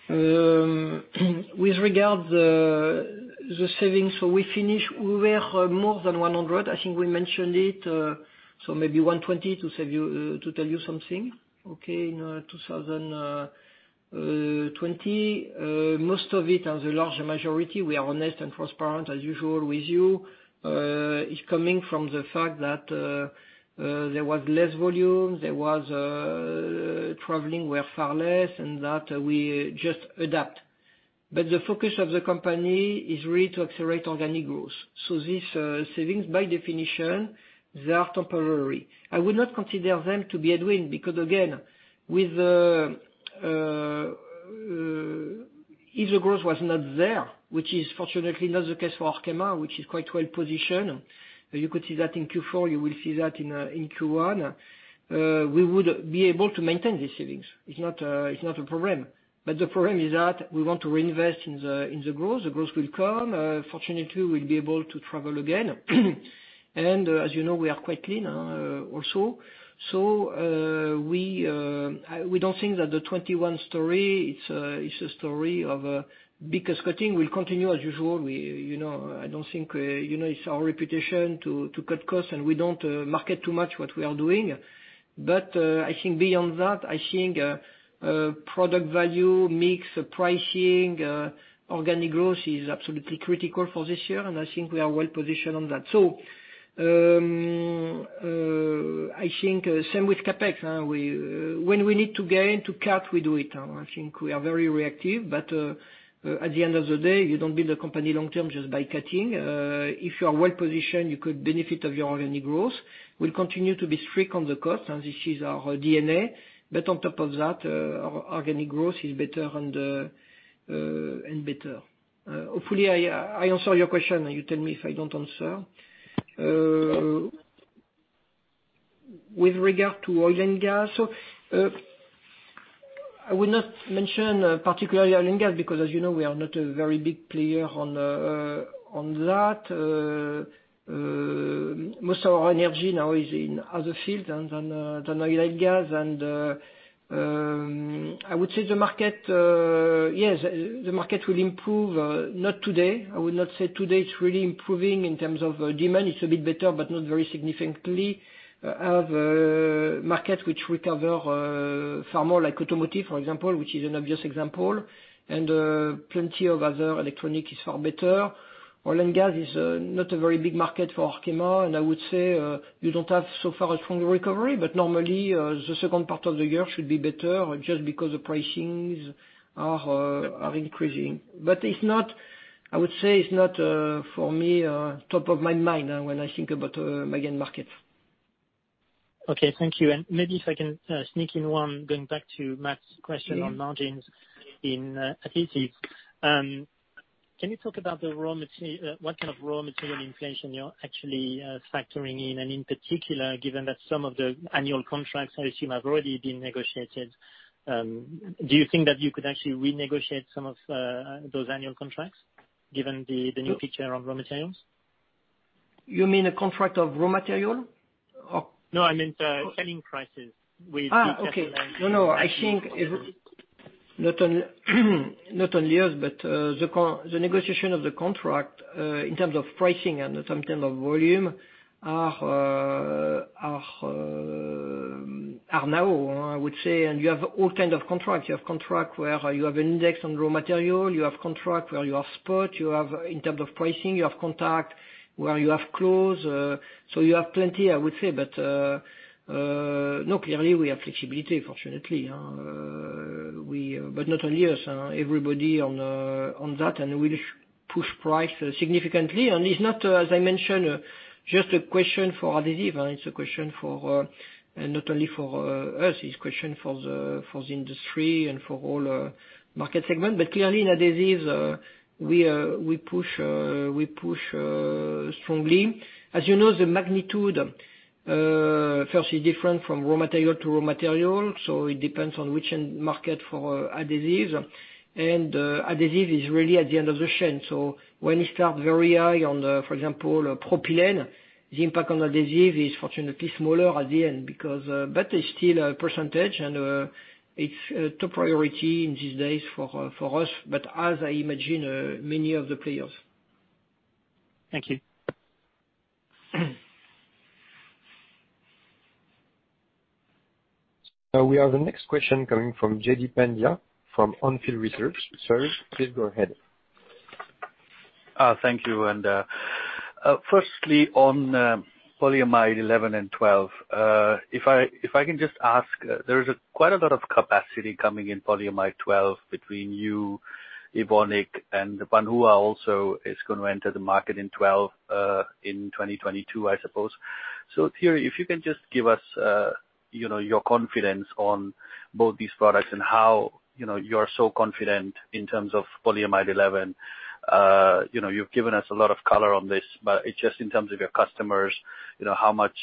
With regard the savings, we finish, we were more than 100. I think we mentioned it, maybe 120 to tell you something, in 2020. Most of it or the larger majority, we are honest and transparent as usual with you, is coming from the fact that there was less volume, traveling were far less, and that we just adapt. The focus of the company is really to accelerate organic growth. These savings, by definition, they are temporary. I would not consider them to be a win because, again, if the growth was not there, which is fortunately not the case for Arkema, which is quite well-positioned. You could see that in Q4, you will see that in Q1. We would be able to maintain these savings. It is not a problem. The problem is that we want to reinvest in the growth. The growth will come. Fortunately, we'll be able to travel again. As you know, we are quite clean also. We don't think that the 2021 story, it's a story of biggest cutting. We'll continue as usual. It's our reputation to cut costs, and we don't market too much what we are doing. I think beyond that, I think product value, mix, pricing, organic growth is absolutely critical for this year, and I think we are well positioned on that. I think same with CapEx. When we need to gain, to cut, we do it. I think we are very reactive, but at the end of the day, you don't build a company long-term just by cutting. If you are well positioned, you could benefit of your organic growth. We'll continue to be strict on the cost, and this is our DNA. On top of that, our organic growth is better and better. Hopefully, I answer your question, and you tell me if I don't answer. With regard to oil and gas, I would not mention particularly oil and gas because as you know, we are not a very big player on that. Most of our energy now is in other fields than oil and gas. I would say the market will improve, not today. I would not say today it's really improving in terms of demand. It's a bit better, but not very significantly. Other markets which recover far more like automotive, for example, which is an obvious example, and plenty of other electronics is far better. Oil and gas is not a very big market for Arkema, and I would say you don't have so far a strong recovery, but normally, the second part of the year should be better just because the pricings are increasing. It's not, for me, top of my mind when I think about mega end market. Okay, thank you. Maybe if I can sneak in one, going back to Matt's question on margins in adhesives. Can you talk about what kind of raw material inflation you're actually factoring in? In particular, given that some of the annual contracts, I assume, have already been negotiated, do you think that you could actually renegotiate some of those annual contracts given the new picture on raw materials? You mean a contract of raw material or? No, I meant selling prices. Okay. No, I think not only us, but the negotiation of the contract in terms of pricing and in terms of volume are now, I would say. You have all kind of contracts. You have contract where you have an index on raw material, you have contract where you have spot, you have in terms of pricing, you have contract where you have clause. You have plenty, I would say. Clearly we have flexibility, fortunately. Not only us, everybody on that, and we push price significantly. It's not, as I mentioned, just a question for adhesive, it's a question for, and not only for us, it's a question for the industry and for all market segment. Clearly in adhesives, we push strongly. As you know, the magnitude, first is different from raw material to raw material. It depends on which end market for adhesives. Adhesive is really at the end of the chain. When you start very high on, for example, propylene, the impact on adhesive is fortunately smaller at the end because, but it's still a percentage and it's a top priority in these days for us. Thank you. Now we have the next question coming from Jaideep Pandya from On Field Research. Sir, please go ahead. Thank you. Firstly on polyamide 11 and 12. If I can just ask, there is quite a lot of capacity coming in polyamide 11 between you, Evonik, and Wanhua also is going to enter the market in polyamide 12, in 2022, I suppose. Thierry, if you can just give us your confidence on both these products and how you're so confident in terms of polyamide 11. You've given us a lot of color on this, but just in terms of your customers, how much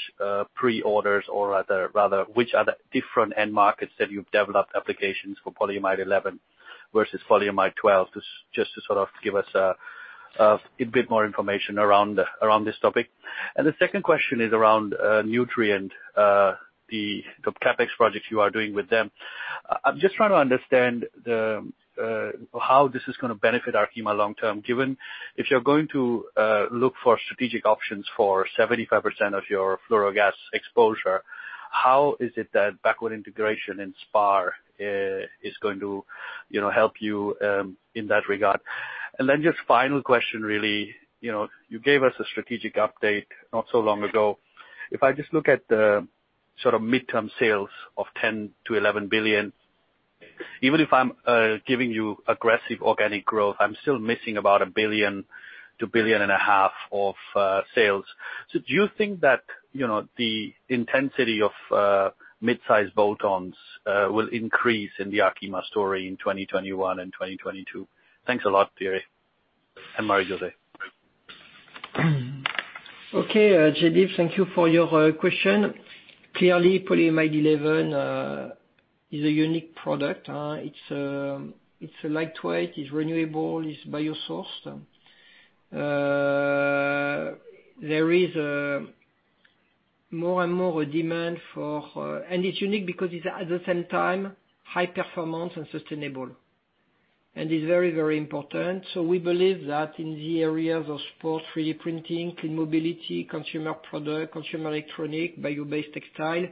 pre-orders or rather, which are the different end markets that you've developed applications for polyamide 11 versus polyamide 12? Just to sort of give us a bit more information around this topic. The second question is around Nutrien, the CapEx projects you are doing with them. I'm just trying to understand how this is gonna benefit Arkema long term, given if you're going to look for strategic options for 75% of your fluorogas exposure, how is it that backward integration in spar is going to help you in that regard? Just final question, really, you gave us a strategic update not so long ago. If I just look at the sort of midterm sales of 10 billion-11 billion, even if I'm giving you aggressive organic growth, I'm still missing about 1 billion-1.5 billion of sales. Do you think that the intensity of mid-size add-ons will increase in the Arkema story in 2021 and 2022? Thanks a lot, Thierry and Marie-José. Okay, Jaideep, thank you for your question. Clearly, polyamide 11 is a unique product. It's lightweight, it's renewable, it's bio-sourced. There is more and more demand for. It's unique because it's, at the same time, high performance and sustainable. It's very important. We believe that in the areas of sport, 3D printing, clean mobility, consumer product, consumer electronic, bio-based textile,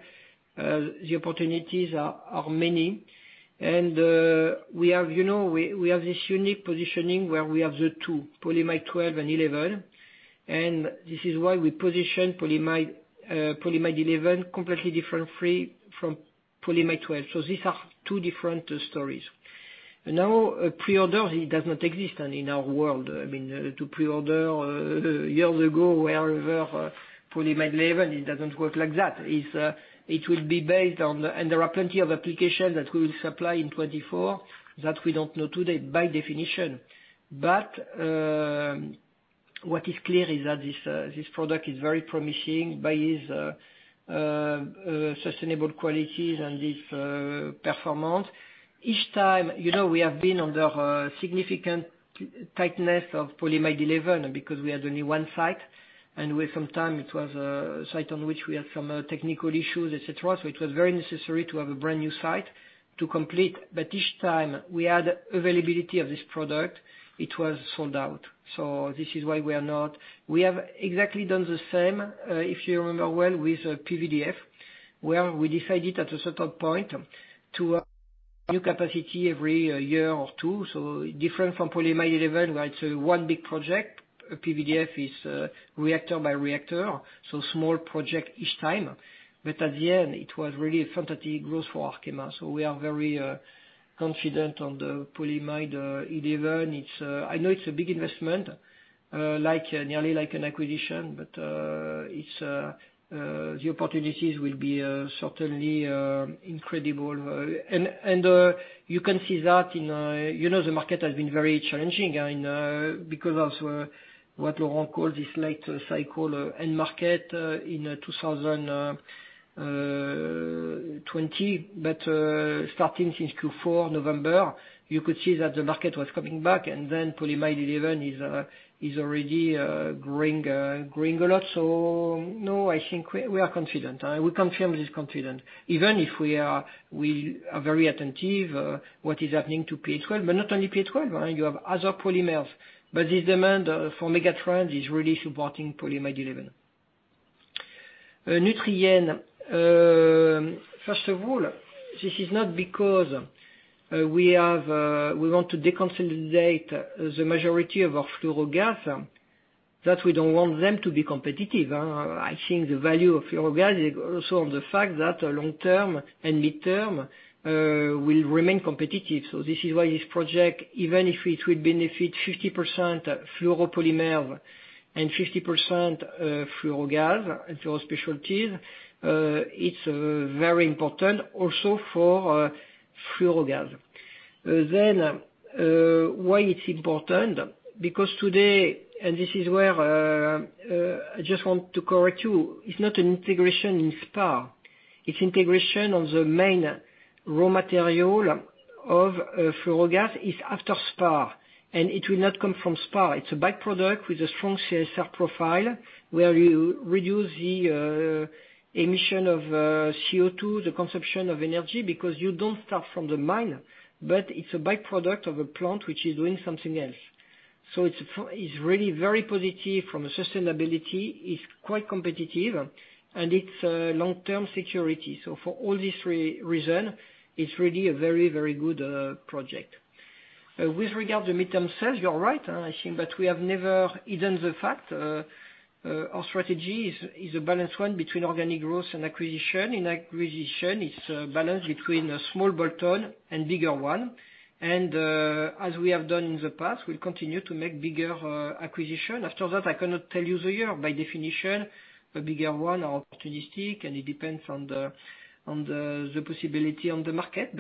the opportunities are many. We have this unique positioning where we have the two, polyamide 12 and 11. This is why we position polyamide 11 completely different from polyamide 12. These are two different stories. Now, a pre-order, it does not exist in our world. To pre-order years ago, wherever, polyamide 11, it doesn't work like that. There are plenty of applications that we will supply in 2024 that we don't know today, by definition. What is clear is that this product is very promising by its sustainable qualities and its performance. Each time, we have been under significant tightness of polyamide 11 because we had only one site, and with some time it was a site on which we had some technical issues, et cetera. It was very necessary to have a brand-new site to complete. Each time we had availability of this product, it was sold out. This is why we have exactly done the same, if you remember well with PVDF, where we decided at a certain point to add new capacity every year or two. Different from polyamide 11, where it's one big project. PVDF is reactor by reactor, so small project each time. At the end, it was really a fantastic growth for Arkema. We are very confident on the polyamide 11. I know it's a big investment, nearly like an acquisition, but the opportunities will be certainly incredible. You can see that the market has been very challenging because of what Laurent called this late cycle end market in 2020. Starting since Q4 November, you could see that the market was coming back and then polyamide 11 is already growing a lot. No, I think we are confident. I will confirm this confident, even if we are very attentive what is happening to P12. Not only PA12, you have other polymers. This demand for megatrend is really supporting polyamide 11. Nutrien. First of all, this is not because we want to deconsolidate the majority of our fluorogases that we don't want them to be competitive. I think the value of fluorogas is also on the fact that long-term and mid-term will remain competitive. This is why this project, even if it will benefit 50% fluoropolymer and 50% fluorogas and fluorospecialties, it is very important also for fluorogas. Why it is important? Today, and this is where I just want to correct you, it is not an integration in spar. It is integration on the main raw material of fluorogas is after spar, and it will not come from spar. It is a by-product with a strong CSR profile where you reduce the emission of CO2, the consumption of energy, because you don't start from the mine, but it is a by-product of a plant which is doing something else. It is really very positive from a sustainability, it is quite competitive and it is long-term security. For all these three reason, it's really a very, very good project. With regard to midterm sales, you're right. I think that we have never hidden the fact our strategy is a balanced one between organic growth and acquisition. In acquisition, it's a balance between a small bolt-on and bigger one. As we have done in the past, we'll continue to make bigger acquisition. After that, I cannot tell you the year. By definition, the bigger one are opportunistic, and it depends on the possibility on the market.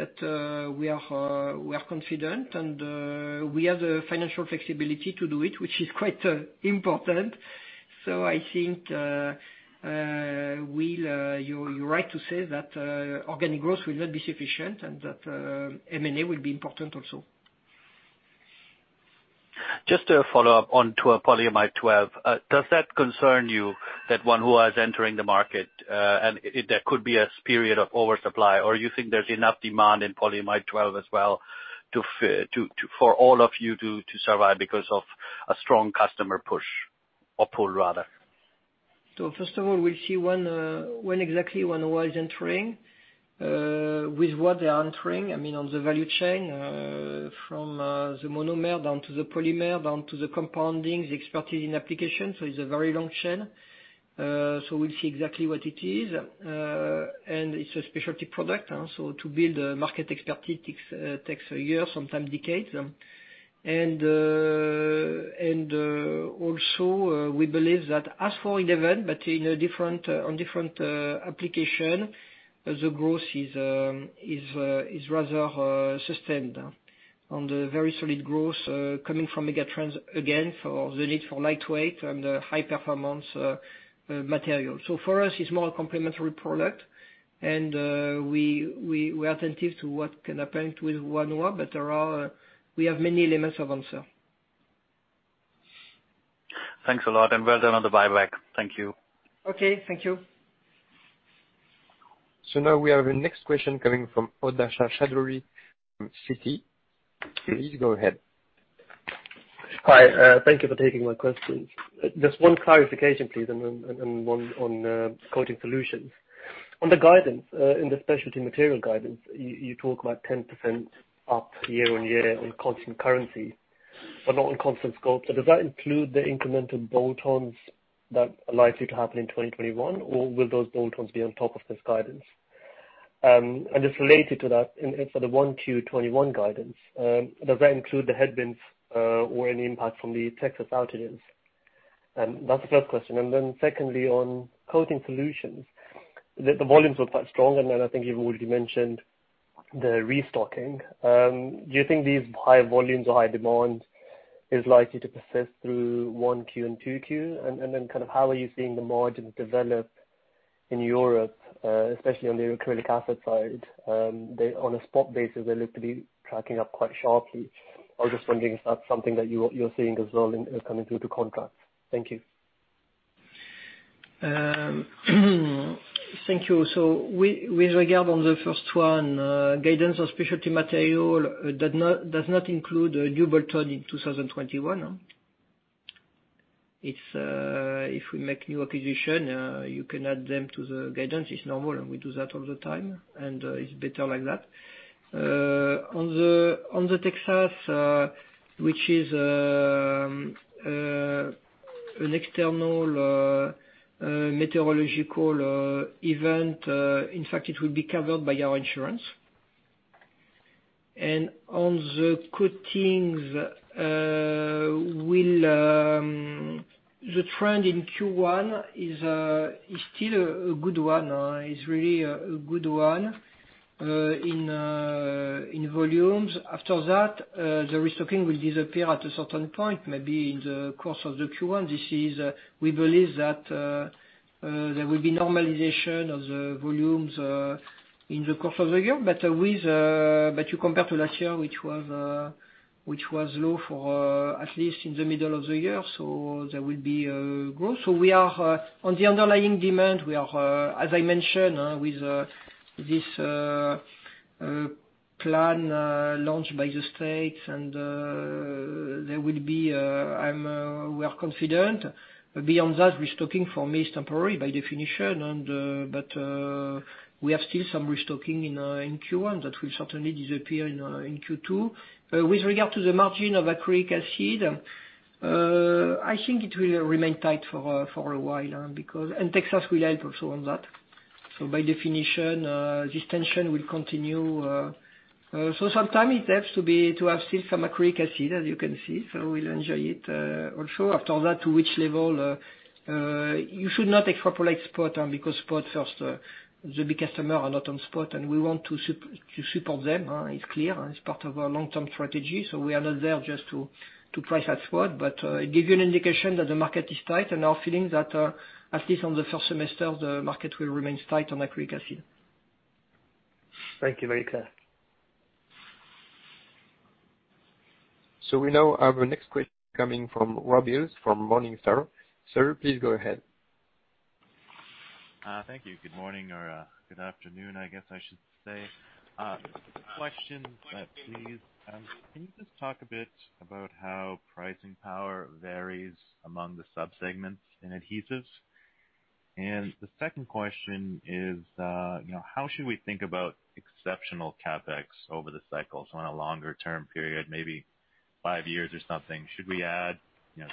We are confident and we have the financial flexibility to do it, which is quite important. I think you're right to say that organic growth will not be sufficient and that M&A will be important also. Just to follow up on to polyamide 12. Does that concern you that Wanhua was entering the market, and there could be a period of oversupply? Or you think there's enough demand in polyamide 12 as well for all of you to survive because of a strong customer push or pull rather? First of all, we'll see when exactly Wanhua is entering, with what they are entering, I mean, on the value chain, from the monomer down to the polymer down to the compounding, the expertise in application. It's a very long chain. We'll see exactly what it is. It's a specialty product, so to build a market expertise takes a year, sometimes decades. Also, we believe that as for 11, but on different application, the growth is rather sustained on the very solid growth coming from megatrends, again, for the need for lightweight and high performance material. For us, it's more a complementary product and we are attentive to what can happen with Wanhua, but we have many limits of answer. Thanks a lot and well done on the buyback. Thank you. Okay, thank you. Now we have a next question coming from Mubasher Chaudhry from Citi. Please go ahead. Hi. Thank you for taking my questions. Just one clarification, please, and one on Coating Solutions. On the guidance, in the Specialty Materials guidance, you talk about 10% up year-over-year on constant currency, but not on constant scope. Does that include the incremental bolt-ons that are likely to happen in 2021, or will those bolt-ons be on top of this guidance? Just related to that, for the 1Q 2021 guidance, does that include the headwinds or any impact from the Texas outages? That's the first question. Then secondly, on Coating Solutions, the volumes were quite strong, and I think you've already mentioned the restocking. Do you think these high volumes or high demand is likely to persist through 1Q and 2Q? Then kind of how are you seeing the margins develop in Europe, especially on the acrylic acid side? On a spot basis, they look to be tracking up quite sharply. I was just wondering if that's something that you're seeing as well coming through the contracts. Thank you. Thank you. With regard on the first one, guidance on Specialty Materials does not include new bolt-on in 2021. If we make new acquisition, you can add them to the guidance. It's normal, and we do that all the time, and it's better like that. On the Texas, which is an external meteorological event, in fact, it will be covered by our insurance. On the coatings, the trend in Q1 is still a good one, it's really a good one in volumes. After that, the restocking will disappear at a certain point, maybe in the course of the Q1. We believe that there will be normalization of the volumes in the course of the year. You compare to last year, which was low for at least in the middle of the year, so there will be growth. On the underlying demand, we are, as I mentioned, with this plan launched by the states, and we are confident. Beyond that, restocking for me is temporary by definition, but we have still some restocking in Q1 that will certainly disappear in Q2. With regard to the margin of acrylic acid, I think it will remain tight for a while, and Texas will help also on that. By definition, this tension will continue. Some time it helps to have still some acrylic acid, as you can see, so we'll enjoy it. After that, to which level, you should not extrapolate spot, because spot first, the big customers are not on spot, and we want to support them. It's clear. It's part of our long-term strategy. We are not there just to price at spot, but it gives you an indication that the market is tight, and our feeling that, at least on the first semester, the market will remain tight on acrylic acid. Thank you. Very clear. We now have a next question coming from Rob Hales from Morningstar. Sir, please go ahead. Thank you. Good morning, or good afternoon, I guess I should say. Question, please. Can you just talk a bit about how pricing power varies among the sub-segments in adhesives? The second question is, how should we think about exceptional CapEx over the cycles on a longer term period, maybe five years or something? Should we add to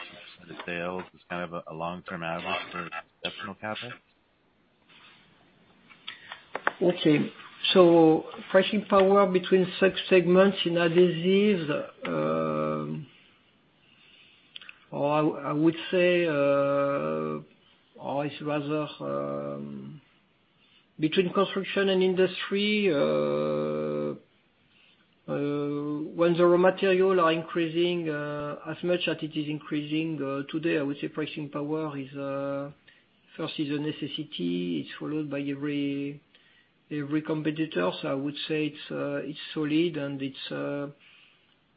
the sales as kind of a long term average for exceptional CapEx? Okay. Pricing power between sub-segments in adhesives, I would say, or it's rather between construction and industry. When the raw material are increasing as much as it is increasing today, I would say pricing power first is a necessity. It's followed by every competitor. I would say it's solid, and it's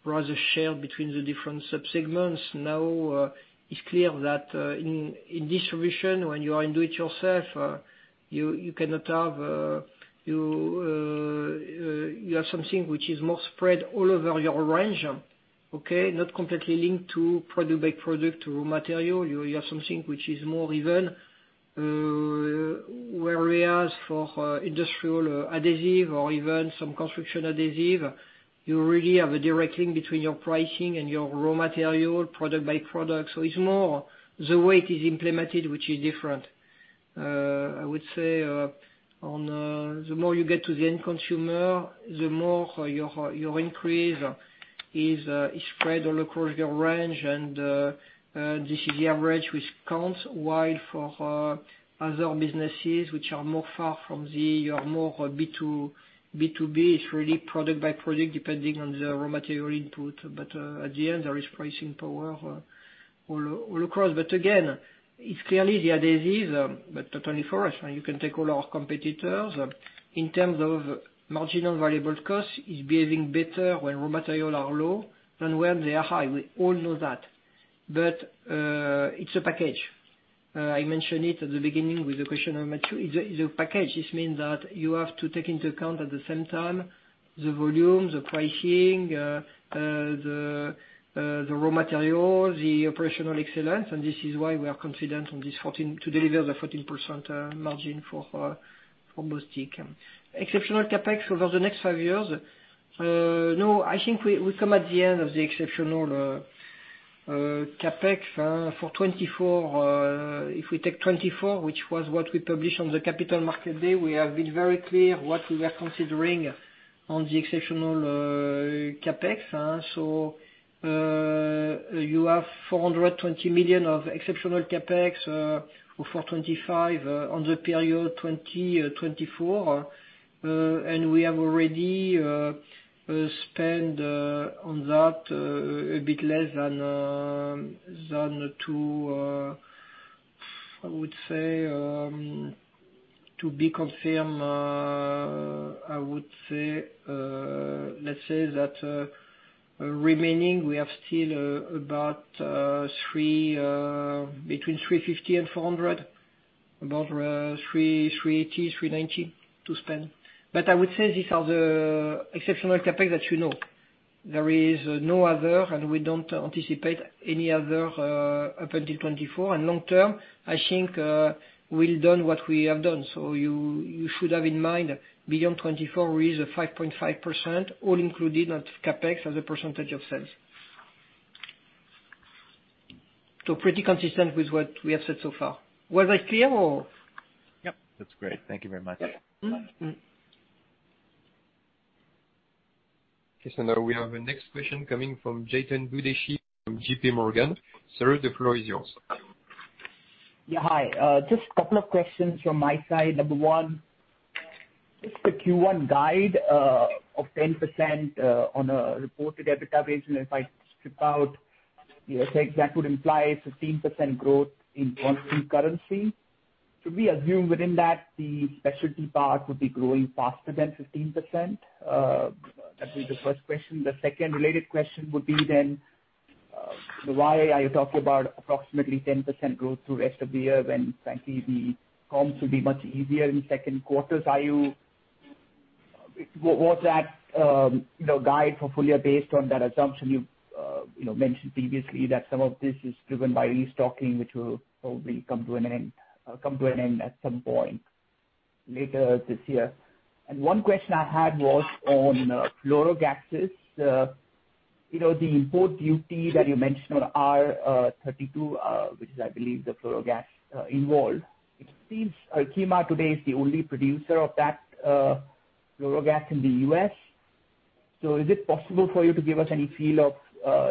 rather shared between the different sub-segments. Now, it's clear that in distribution, when you are do it yourself, you have something which is more spread all over your range. Okay. Not completely linked to product by product, raw material. You have something which is more even, whereas for industrial adhesive or even some construction adhesive, you really have a direct link between your pricing and your raw material, product by product. It's more the way it is implemented, which is different. I would say on the more you get to the end consumer, the more your increase is spread all across your range and this is the average which counts, while for other businesses which are more far from the more B2B, it's really product by product, depending on the raw material input. At the end, there is pricing power all across. Again, it's clearly the adhesive, but not only for us. You can take all our competitors. In terms of marginal variable cost, it's behaving better when raw material are low than when they are high. We all know that. It's a package. I mentioned it at the beginning with the question on material. It's a package. This means that you have to take into account, at the same time, the volume, the pricing, the raw material, the operational excellence, and this is why we are confident to deliver the 14% margin for Bostik. Exceptional CapEx over the next five years. No, I think we come at the end of the exceptional CapEx for 2024. If we take 2024, which was what we published on the Capital Markets Day, we have been very clear what we are considering on the exceptional CapEx. You have 420 million of exceptional CapEx for 2025 on the period 2024. We have already spent on that. We have still between 350 and 400, about 380, 390 to spend. I would say these are the exceptional CapEx that you know. There is no other, and we don't anticipate any other up until 2024. Long term, I think we'll done what we have done. You should have in mind, beyond 2024, we use a 5.5%, all included on CapEx as a percentage of sales. Pretty consistent with what we have said so far. Was I clear, or? Yep, that's great. Thank you very much. Okay. Now we have a next question coming from Chetan Udeshi from JPMorgan. Sir, the floor is yours. Hi. Just a couple of questions from my side. Number one, just the Q1 guide of 10% on a reported EBITDA basis, and if I strip out the effects, that would imply 15% growth in constant currency. That is the first question. The second related question would be then, why are you talking about approximately 10% growth through rest of the year when frankly, the comps will be much easier in second quarters? Was that guide for full-year based on that assumption you've mentioned previously that some of this is driven by restocking, which will probably come to an end at some point later this year? One question I had was on fluorogases. The import duty that you mentioned on R-32, which is, I believe, the fluorogas involved. It seems Arkema today is the only producer of that fluorogas in the U.S. Is it possible for you to give us any feel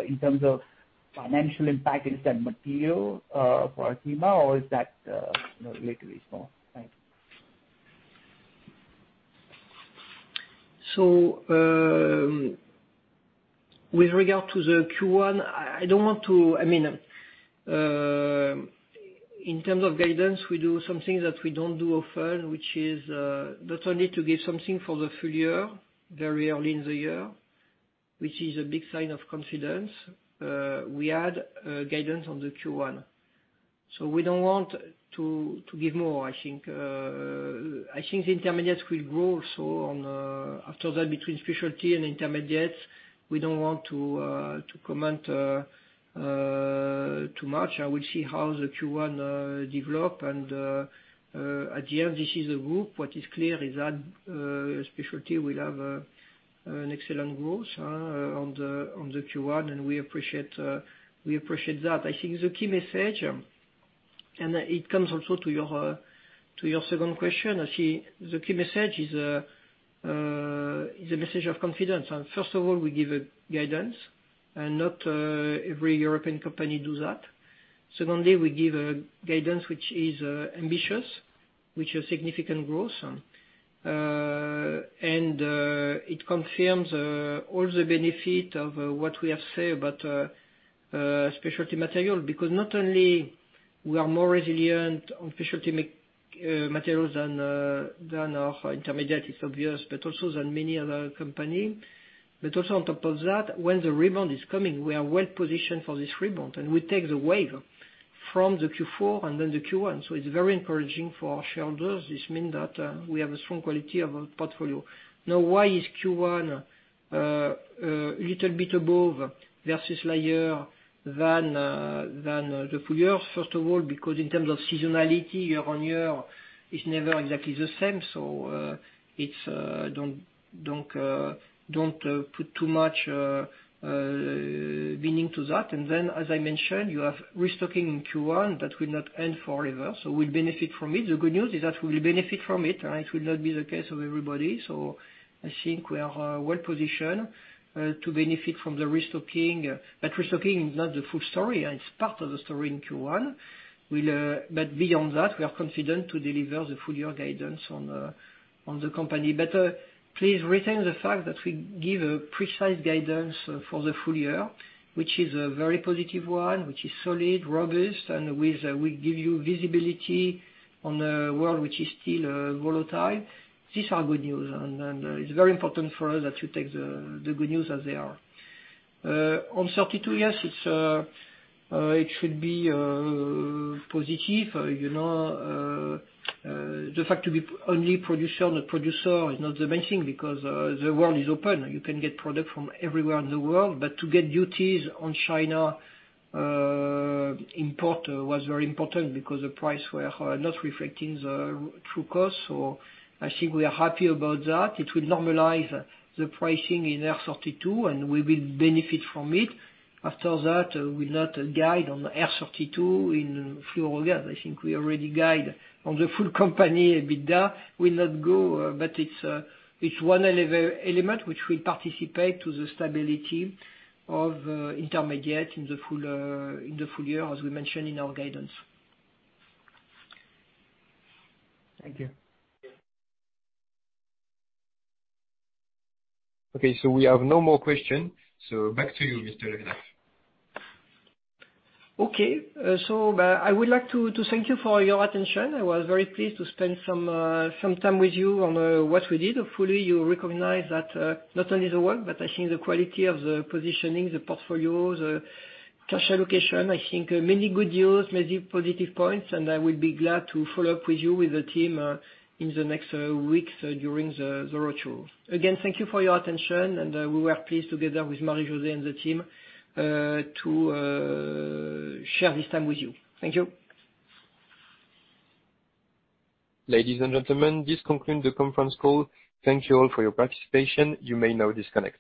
in terms of financial impact? Is that material for Arkema or is that relatively small? Thank you. With regard to the Q1, in terms of guidance, we do something that we don't do often, which is not only to give something for the full year, very early in the year, which is a big sign of confidence. We add guidance on the Q1. We don't want to give more. I think the intermediates will grow. On after that, between Specialty and intermediates, we don't want to comment too much. I will see how the Q1 develop and at the end, this is a group. What is clear is that Specialty will have an excellent growth on the Q1 and we appreciate that. I think the key message, and it comes also to your second question. I think the key message is a message of confidence. First of all, we give a guidance and not every European company do that. We give a guidance which is ambitious, which is significant growth. It confirms all the benefit of what we have said about Specialty Materials, because not only we are more resilient on Specialty Materials than our intermediate, it's obvious, but also than many other company. Also on top of that, when the rebound is coming, we are well-positioned for this rebound. We take the wave from the Q4 and then the Q1. It's very encouraging for our shareholders. This mean that we have a strong quality of our portfolio. Now, why is Q1 a little bit above versus last year than the full year? First of all, because in terms of seasonality, year on year is never exactly the same. Don't put too much meaning to that. As I mentioned, you have restocking in Q1 that will not end forever, so we'll benefit from it. The good news is that we'll benefit from it. It will not be the case of everybody. I think we are well-positioned to benefit from the restocking. Restocking is not the full story, it's part of the story in Q1. Beyond that, we are confident to deliver the full year guidance on the company. Please retain the fact that we give a precise guidance for the full year, which is a very positive one, which is solid, robust, and we give you visibility on a world which is still volatile. These are good news, and it's very important for us that you take the good news as they are. On R-32, yes, it should be positive. The fact we only producer is not the main thing because the world is open. You can get product from everywhere in the world. To get duties on China import was very important because the price were not reflecting the true cost. I think we are happy about that. It will normalize the pricing in R-32 and we will benefit from it. After that, we'll not guide on R-32 in fluorogas. I think we already guide on the full company EBITDA will not go, but it's one element which will participate to the stability of intermediate in the full year, as we mentioned in our guidance. Thank you. Okay, we have no more question. Back to you, Mr. Le Hénaff. Okay, I would like to thank you for your attention. I was very pleased to spend some time with you on what we did. Hopefully you recognize that not only the work, but I think the quality of the positioning, the portfolio, the cash allocation. I think many good news, many positive points. I will be glad to follow up with you, with the team in the next weeks during the roadshow. Again, thank you for your attention. We were pleased together with Marie-José and the team to share this time with you. Thank you. Ladies and gentlemen, this concludes the conference call. Thank you all for your participation. You may now disconnect.